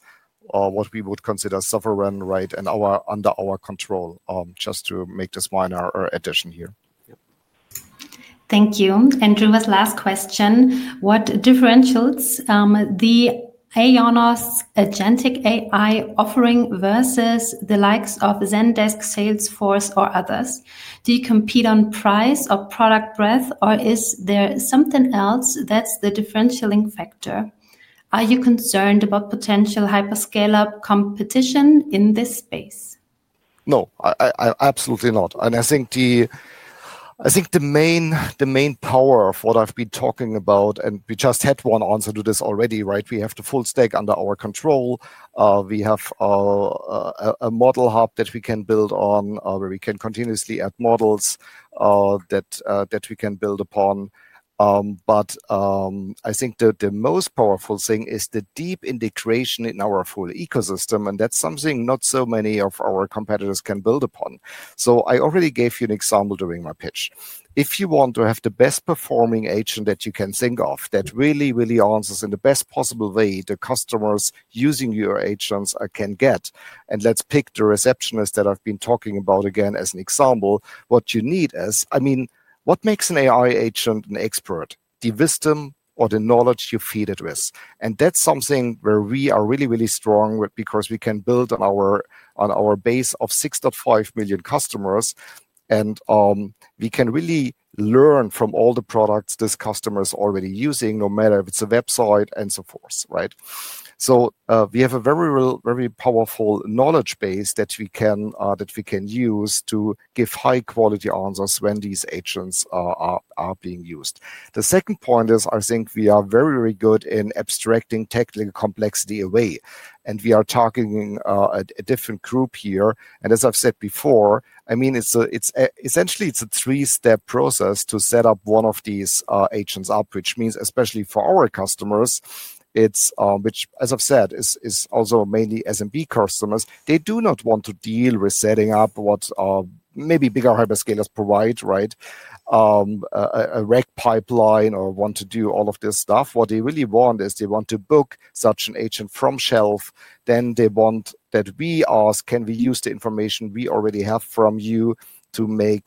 S3: what we would consider sovereign, right, and under our control, just to make this minor addition here.
S1: Thank you. Dhruva's last question. What differentiates the IONOS agentic AI offering versus the likes of Zendesk, Salesforce, or others? Do you compete on price or product breadth, or is there something else that's the differentiating factor? Are you concerned about potential hyperscaler competition in this space?
S3: No, absolutely not. I think the main power of what I've been talking about, and we just had one answer to this already, right? We have the full stack under our control. We have a model hub that we can build on, where we can continuously add models that we can build upon. I think the most powerful thing is the deep integration in our full ecosystem, and that's something not so many of our competitors can build upon. I already gave you an example during my pitch. If you want to have the best-performing agent that you can think of, that really, really answers in the best possible way the customers using your agents can get, and let's pick the receptionist that I've been talking about again as an example, what you need is, I mean, what makes an AI agent an expert? The wisdom or the knowledge you feed it with. That's something where we are really, really strong because we can build on our base of 6.5 million customers, and we can really learn from all the products these customers are already using, no matter if it's a website and so forth, right? We have a very, very powerful knowledge base that we can use to give high-quality answers when these agents are being used. The second point is, I think we are very, very good in abstracting technical complexity away. We are targeting a different group here. As I've said before, I mean, essentially, it's a three-step process to set up one of these agents up, which means, especially for our customers, which, as I've said, is also mainly SMB customers. They do not want to deal with setting up what maybe bigger hyperscalers provide, right? A REC pipeline or want to do all of this stuff. What they really want is they want to book such an agent from shelf. They want that we ask, can we use the information we already have from you to make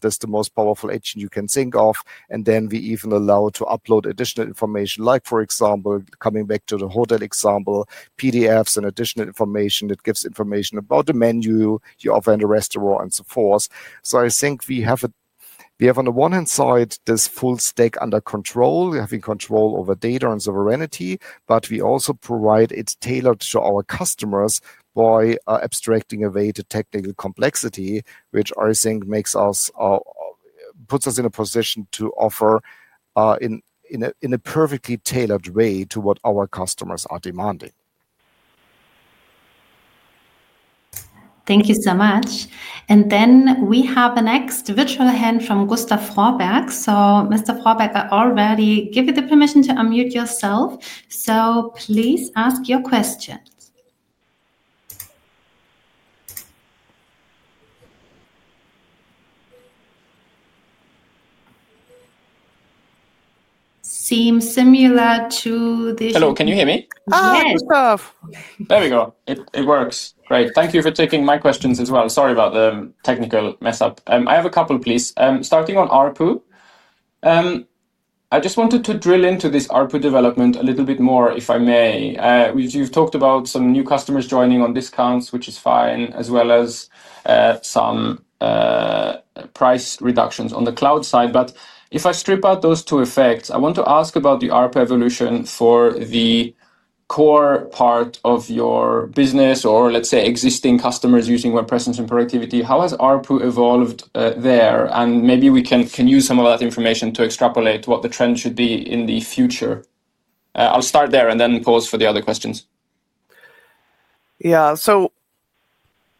S3: this the most powerful agent you can think of? We even allow to upload additional information, like, for example, coming back to the hotel example, PDFs and additional information that gives information about the menu, your vendor restaurant, and so forth. I think we have on the one hand side this full stack under control, having control over data and sovereignty, but we also provide it tailored to our customers by abstracting away the technical complexity, which I think puts us in a position to offer in a perfectly tailored way to what our customers are demanding.
S1: Thank you so much. Then we have the next virtual hand from Gustav Froberg. Mr. Froberg, I already gave you the permission to unmute yourself. Please ask your question. Seems similar to the—
S7: Hello, can you hear me?
S1: Yes.
S7: There we go. It works. Great. Thank you for taking my questions as well. Sorry about the technical mess up. I have a couple, please. Starting on ARPU, I just wanted to drill into this ARPU development a little bit more, if I may. You have talked about some new customers joining on discounts, which is fine, as well as some price reductions on the cloud side. If I strip out those two effects, I want to ask about the ARPU evolution for the core part of your business or, let's say, existing customers using web presence and productivity. How has ARPU evolved there? Maybe we can use some of that information to extrapolate what the trend should be in the future. I'll start there and then pause for the other questions.
S4: Yeah,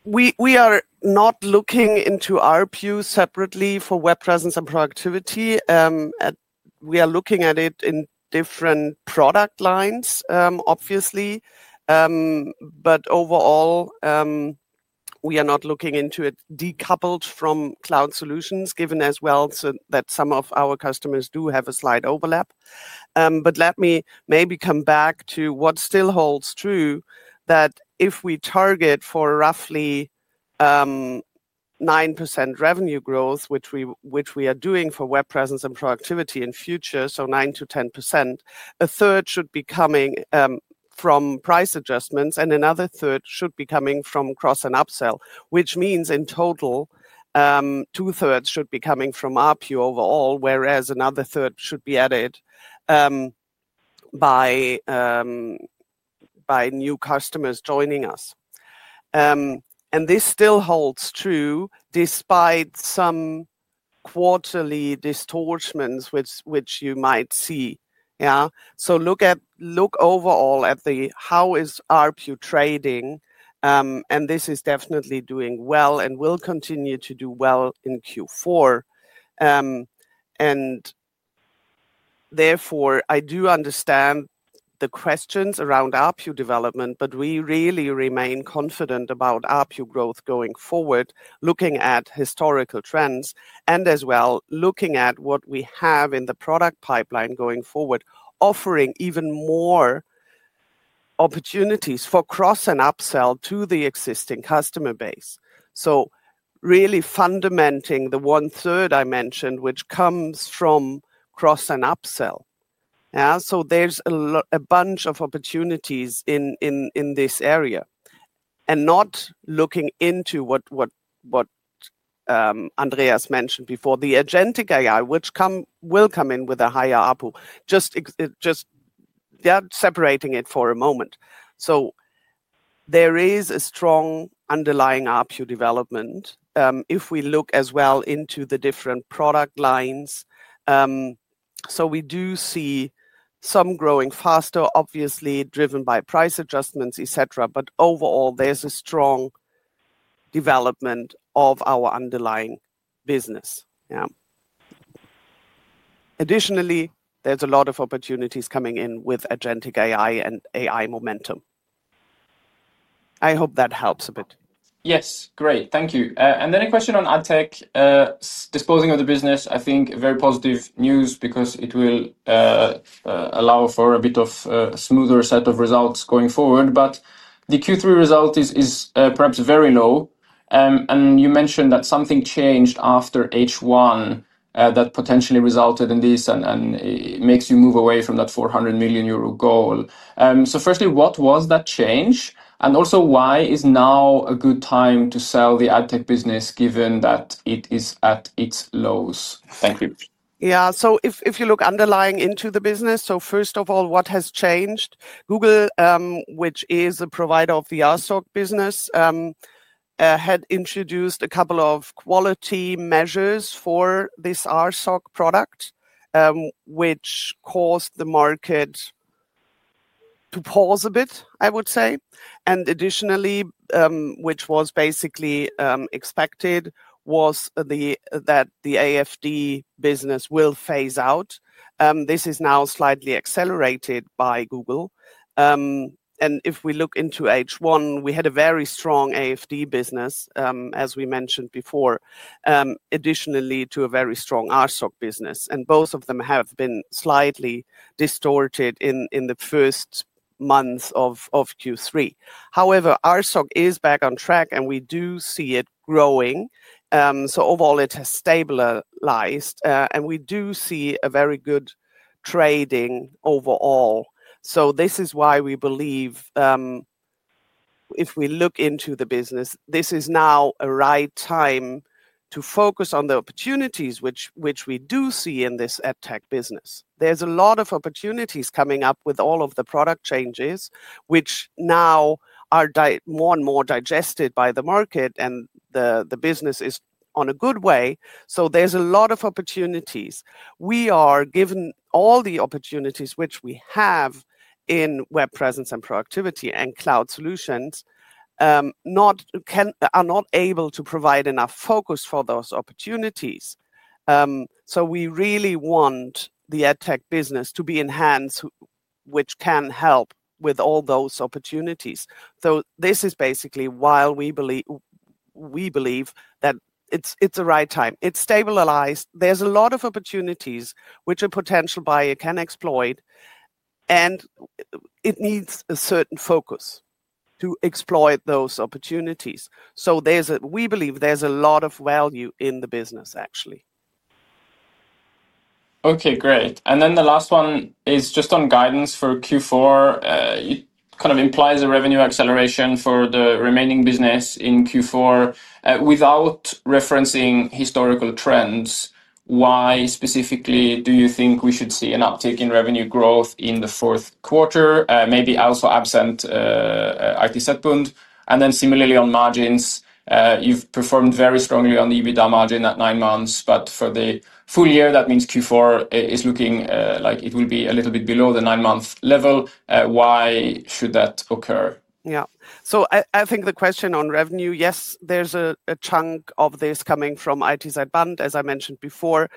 S4: we are not looking into ARPU separately for web presence and productivity. We are looking at it in different product lines, obviously. Overall, we are not looking into it decoupled from cloud solutions, given as well that some of our customers do have a slight overlap. Let me maybe come back to what still holds true, that if we target for roughly 9% revenue growth, which we are doing for web presence and productivity in future, so 9%-10%, a third should be coming from price adjustments, and another third should be coming from cross and upsell, which means in total, two-thirds should be coming from ARPU overall, whereas another third should be added by new customers joining us. This still holds true despite some quarterly distortions which you might see. Yeah, so look overall at how is ARPU trading, and this is definitely doing well and will continue to do well in Q4. Therefore, I do understand the questions around ARPU development, but we really remain confident about ARPU growth going forward, looking at historical trends and as well looking at what we have in the product pipeline going forward, offering even more opportunities for cross and upsell to the existing customer base. Really fundamenting the one-third I mentioned, which comes from cross and upsell. Yeah, there is a bunch of opportunities in this area. Not looking into what Andreas mentioned before, the agentic AI, which will come in with a higher ARPU, just separating it for a moment. There is a strong underlying ARPU development if we look as well into the different product lines. We do see some growing faster, obviously driven by price adjustments, et cetera, but overall, there is a strong development of our underlying business. Yeah, additionally, there's a lot of opportunities coming in with agentic AI and AI Momentum. I hope that helps a bit.
S7: Yes, great. Thank you. A question on AdTech disposing of the business, I think very positive news because it will allow for a bit of a smoother set of results going forward. The Q3 result is perhaps very low. You mentioned that something changed after H1 that potentially resulted in this and makes you move away from that 400 million euro goal. Firstly, what was that change? Also, why is now a good time to sell the AdTech business given that it is at its lows? Thank you.
S4: Yeah, if you look underlying into the business, so first of all, what has changed? Google, which is a provider of the RSOC business, had introduced a couple of quality measures for this RSOC product, which caused the market to pause a bit, I would say. Additionally, which was basically expected, was that the AFD business will phase out. This is now slightly accelerated by Google. If we look into H1, we had a very strong AFD business, as we mentioned before, additionally to a very strong RSOC business. Both of them have been slightly distorted in the first months of Q3. However, RSOC is back on track, and we do see it growing. Overall, it has stabilized, and we do see a very good trading overall. This is why we believe if we look into the business, this is now a right time to focus on the opportunities which we do see in this AdTech business. There's a lot of opportunities coming up with all of the product changes, which now are more and more digested by the market, and the business is on a good way. There's a lot of opportunities. We are given all the opportunities which we have in web presence and productivity and cloud solutions, are not able to provide enough focus for those opportunities. We really want the AdTech business to be enhanced, which can help with all those opportunities. This is basically why we believe that it's a right time. It's stabilized. There's a lot of opportunities which a potential buyer can exploit, and it needs a certain focus to exploit those opportunities. We believe there's a lot of value in the business, actually.
S7: Okay, great. The last one is just on guidance for Q4. It kind of implies a revenue acceleration for the remaining business in Q4. Without referencing historical trends, why specifically do you think we should see an uptick in revenue growth in the fourth quarter, maybe also absent ITZBund? Similarly on margins, you've performed very strongly on the EBITDA margin at nine months, but for the full year, that means Q4 is looking like it will be a little bit below the nine-month level. Why should that occur?
S4: Yeah, so I think the question on revenue, yes, there's a chunk of this coming from ITZBund. As I mentioned before,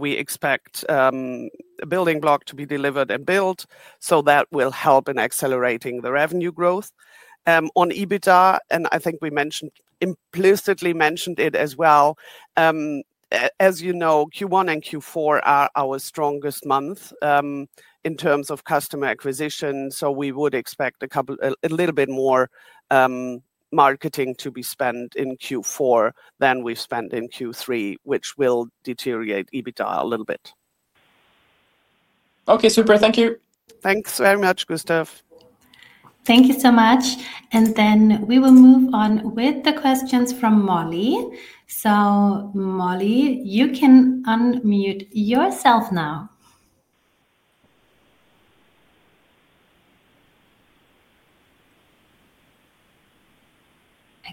S4: we expect a building block to be delivered and built, so that will help in accelerating the revenue growth. On EBITDA, and I think we implicitly mentioned it as well, as you know, Q1 and Q4 are our strongest months in terms of customer acquisition. We would expect a little bit more marketing to be spent in Q4 than we've spent in Q3, which will deteriorate EBITDA a little bit.
S7: Okay, super. Thank you.
S4: Thanks very much, Gustav.
S1: Thank you so much. We will move on with the questions from Mollie. Mollie, you can unmute yourself now.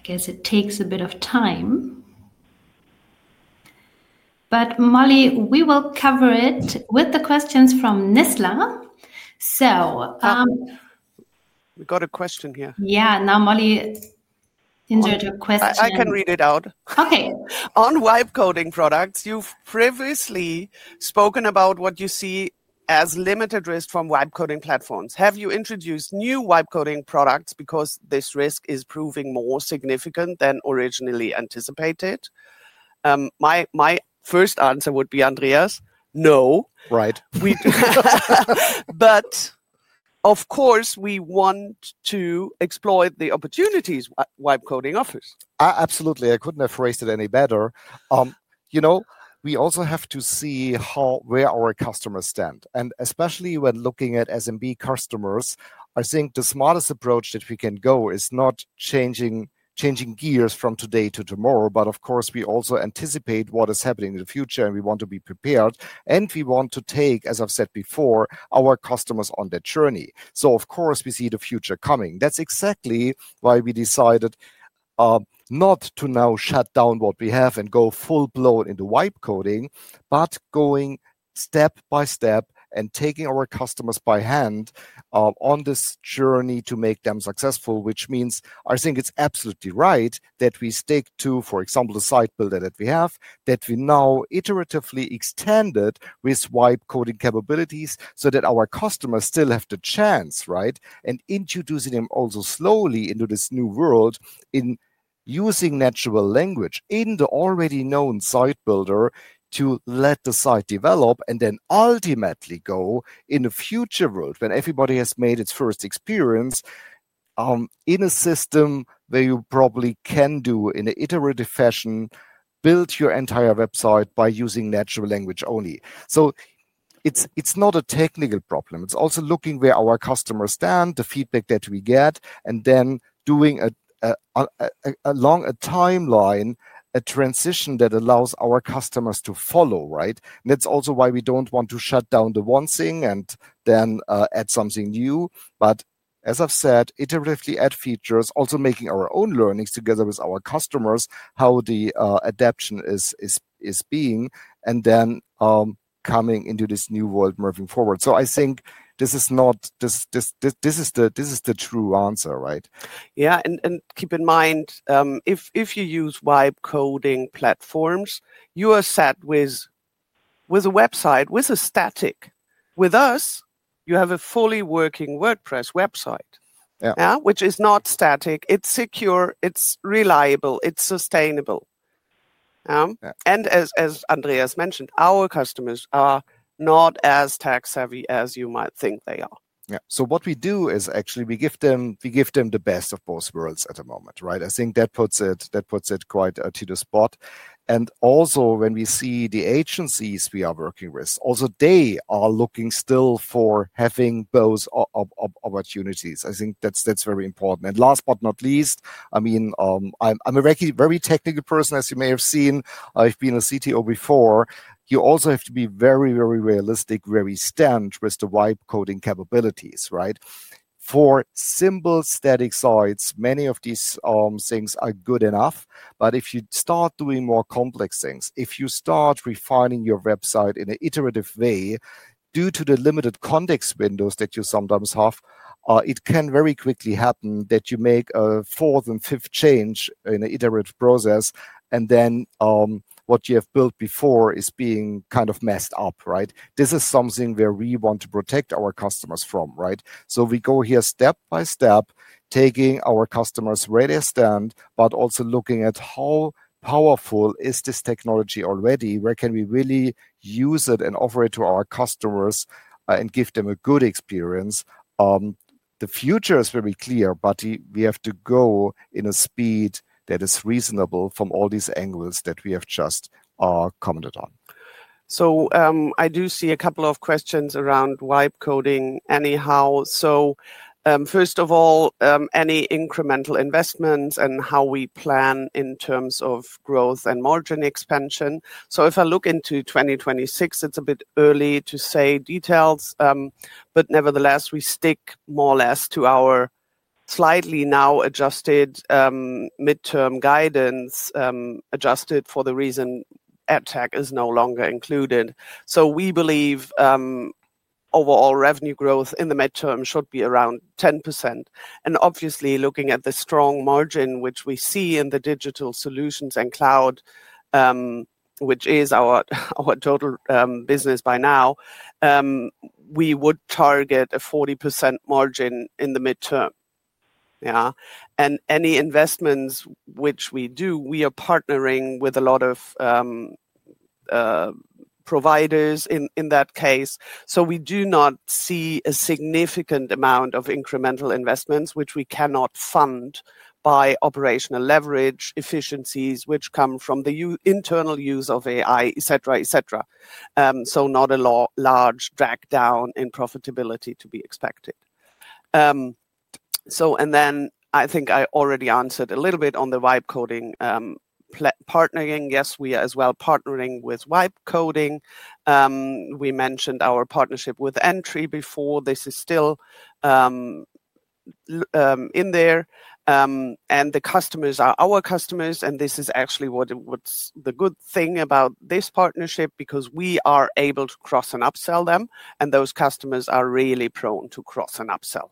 S1: I guess it takes a bit of time. Mollie, we will cover it with the questions from Nizla.
S4: We got a question here.
S1: Yeah, now Mollie entered a question.
S4: I can read it out.
S1: Okay.
S4: On wipe coding products, you've previously spoken about what you see as limited risk from wipe coding platforms. Have you introduced new wipe coding products because this risk is proving more significant than originally anticipated? My first answer would be, Andreas, no.
S3: Right.
S4: Of course, we want to exploit the opportunities wipe coding offers.
S3: Absolutely. I couldn't have phrased it any better. You know, we also have to see where our customers stand. Especially when looking at SMB customers, I think the smartest approach that we can go is not changing gears from today to tomorrow. Of course, we also anticipate what is happening in the future, and we want to be prepared. We want to take, as I've said before, our customers on that journey. Of course, we see the future coming. That's exactly why we decided not to now shut down what we have and go full blown into wipe coding, but going step by step and taking our customers by hand on this journey to make them successful, which means I think it's absolutely right that we stick to, for example, the site builder that we have, that we now iteratively extended with wipe coding capabilities so that our customers still have the chance, right? Introducing them also slowly into this new world in using natural language in the already known site builder to let the site develop and then ultimately go in the future world when everybody has made its first experience in a system where you probably can do in an iterative fashion, build your entire website by using natural language only. It is not a technical problem. It's also looking where our customers stand, the feedback that we get, and then doing along a timeline a transition that allows our customers to follow, right? That is also why we do not want to shut down the one thing and then add something new. As I have said, iteratively add features, also making our own learnings together with our customers, how the adaption is being, and then coming into this new world moving forward. I think this is not, this is the true answer, right?
S4: Yeah, keep in mind, if you use wipe coding platforms, you are set with a website with a static. With us, you have a fully working WordPress website, which is not static. It is secure. It is reliable. It is sustainable. As Andreas mentioned, our customers are not as tax-heavy as you might think they are.
S3: Yeah, so what we do is actually we give them the best of both worlds at the moment, right? I think that puts it quite to the spot. Also, when we see the agencies we are working with, also they are looking still for having those opportunities. I think that's very important. Last but not least, I mean, I'm a very technical person, as you may have seen. I've been a CTO before. You also have to be very, very realistic, very stunned with the wipe coding capabilities, right? For simple static sites, many of these things are good enough. If you start doing more complex things, if you start refining your website in an iterative way due to the limited context windows that you sometimes have, it can very quickly happen that you make a fourth and fifth change in an iterative process, and then what you have built before is being kind of messed up, right? This is something where we want to protect our customers from, right? We go here step by step, taking our customers where they stand, but also looking at how powerful is this technology already? Where can we really use it and offer it to our customers and give them a good experience? The future is very clear, but we have to go in a speed that is reasonable from all these angles that we have just commented on.
S4: I do see a couple of questions around wipe coding anyhow. First of all, any incremental investments and how we plan in terms of growth and margin expansion? If I look into 2026, it's a bit early to say details, but nevertheless, we stick more or less to our slightly now adjusted midterm guidance, adjusted for the reason AdTech is no longer included. We believe overall revenue growth in the midterm should be around 10%. Obviously, looking at the strong margin, which we see in the digital solutions and cloud, which is our total business by now, we would target a 40% margin in the midterm. Yeah, and any investments which we do, we are partnering with a lot of providers in that case. We do not see a significant amount of incremental investments, which we cannot fund by operational leverage efficiencies, which come from the internal use of AI, et cetera, et cetera. Not a large drag down in profitability to be expected. I think I already answered a little bit on the wipe coding partnering. Yes, we are as well partnering with wipe coding. We mentioned our partnership with Entry before. This is still in there. The customers are our customers. This is actually what's the good thing about this partnership because we are able to cross and upsell them. Those customers are really prone to cross and upsell.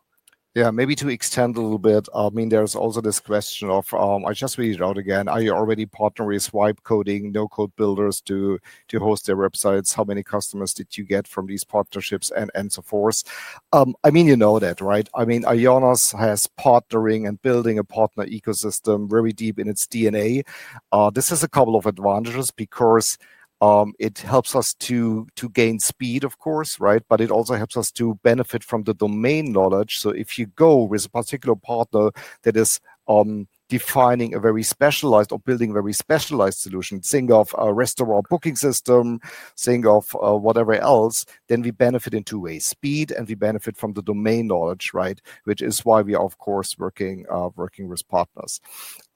S3: Maybe to extend a little bit, I mean, there's also this question of, I just read it out again. Are you already partnering with wipe coding, no-code builders to host their websites? How many customers did you get from these partnerships and so forth? You know that, right? I mean, IONOS has partnering and building a partner ecosystem very deep in its DNA. This has a couple of advantages because it helps us to gain speed, of course, right? It also helps us to benefit from the domain knowledge. If you go with a particular partner that is defining a very specialized or building a very specialized solution, think of a restaurant booking system, think of whatever else, then we benefit in two ways: speed and we benefit from the domain knowledge, right? Which is why we are, of course, working with partners.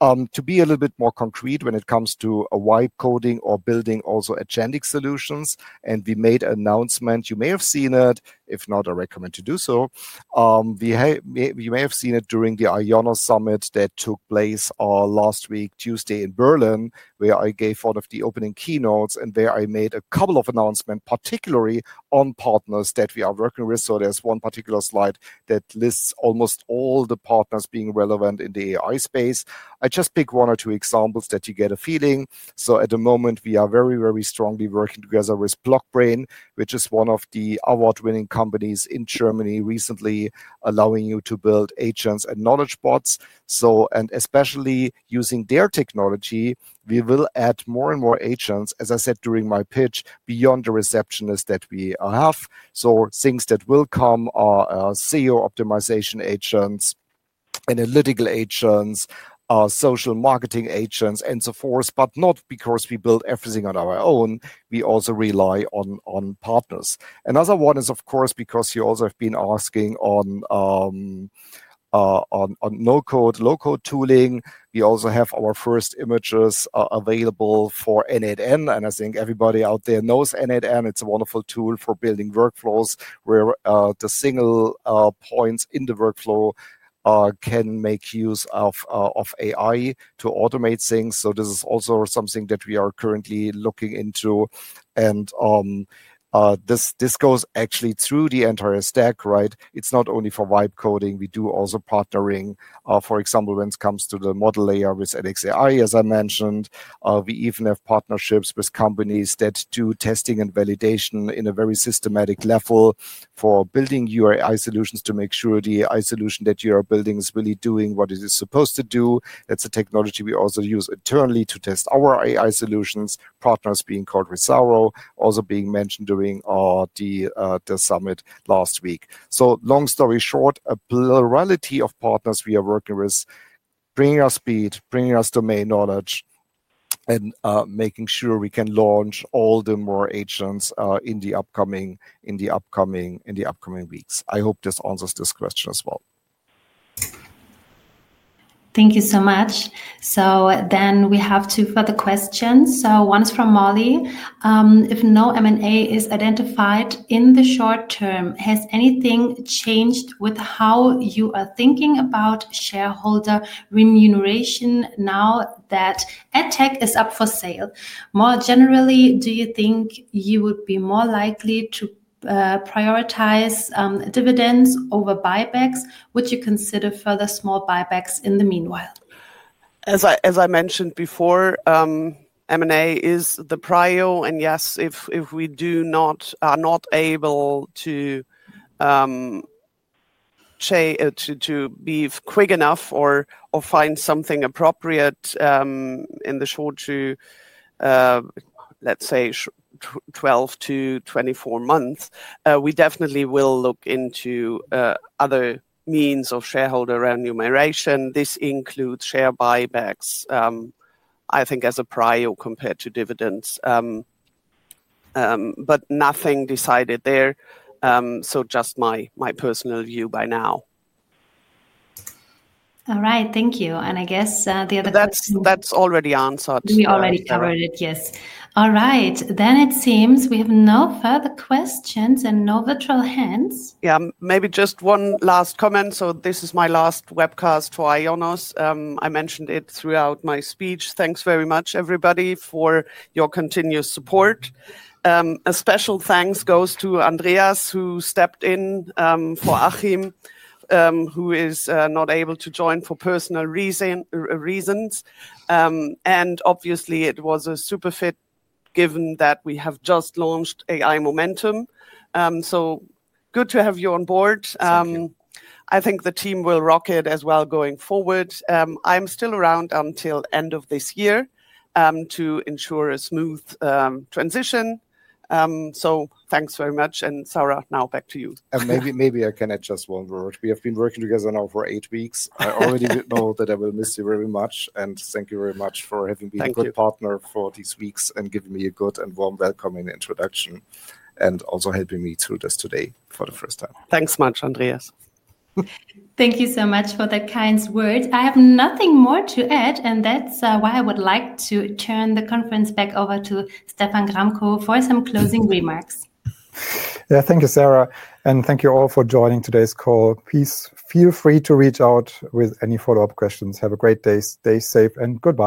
S3: To be a little bit more concrete when it comes to wipe coding or building also agentic solutions, and we made an announcement. You may have seen it, if not, I recommend to do so. You may have seen it during the IONOS Summit that took place last week, Tuesday, in Berlin, where I gave one of the opening keynotes and where I made a couple of announcements, particularly on partners that we are working with. There is one particular slide that lists almost all the partners being relevant in the AI space. I just picked one or two examples that you get a feeling. At the moment, we are very, very strongly working together with Blockbrain, which is one of the award-winning companies in Germany recently, allowing you to build agents and knowledge bots. Especially using their technology, we will add more and more agents, as I said during my pitch, beyond the receptionist that we have. Things that will come are SEO optimization agents, analytical agents, social marketing agents, and so forth. Not because we build everything on our own, we also rely on partners. Another one is, of course, because you also have been asking on no-code, low-code tooling. We also have our first images available for n8n. I think everybody out there knows n8n. It's a wonderful tool for building workflows where the single points in the workflow can make use of AI to automate things. This is also something that we are currently looking into. This goes actually through the entire stack, right? It's not only for wipe coding. We do also partnering, for example, when it comes to the model layer with NXAI, as I mentioned. We even have partnerships with companies that do testing and validation in a very systematic level for building your AI solutions to make sure the AI solution that you are building is really doing what it is supposed to do. That is a technology we also use internally to test our AI solutions. Partners being called with ZARO, also being mentioned during the summit last week. Long story short, a plurality of partners we are working with, bringing us speed, bringing us domain knowledge, and making sure we can launch all the more agents in the upcoming weeks. I hope this answers this question as well.
S1: Thank you so much. We have two further questions. One is from Mollie. If no M&A is identified in the short term, has anything changed with how you are thinking about shareholder remuneration now that AdTech is up for sale? More generally, do you think you would be more likely to prioritize dividends over buybacks? Would you consider further small buybacks in the meanwhile?
S4: As I mentioned before, M&A is the prio. Yes, if we are not able to be quick enough or find something appropriate in the short to, let's say, 12-24 months, we definitely will look into other means of shareholder remuneration. This includes share buybacks, I think, as a prio compared to dividends. Nothing decided there. Just my personal view by now.
S1: All right. Thank you. I guess the other questions.
S4: That's already answered.
S1: We already covered it, yes. All right. It seems we have no further questions and no virtual hands.
S4: Yeah, maybe just one last comment. This is my last webcast for IONOS. I mentioned it throughout my speech. Thanks very much, everybody, for your continuous support. A special thanks goes to Andreas, who stepped in for Achim, who is not able to join for personal reasons. Obviously, it was a super fit given that we have just launched AI Momentum. Good to have you on board. I think the team will rock it as well going forward. I am still around until the end of this year to ensure a smooth transition. Thanks very much. Sarah, now back to you.
S3: Maybe I can add just one word. We have been working together now for eight weeks. I already did know that I will miss you very much. Thank you very much for having been a good partner for these weeks and giving me a good and warm welcome and introduction, and also helping me through this today for the first time.
S4: Thanks much, Andreas.
S1: Thank you so much for the kind words. I have nothing more to add, and that is why I would like to turn the conference back over to Stephan Gramkow for some closing remarks.
S2: Thank you, Sarah. And thank you all for joining today's call. Please feel free to reach out with any follow-up questions. Have a great day. Stay safe and goodbye.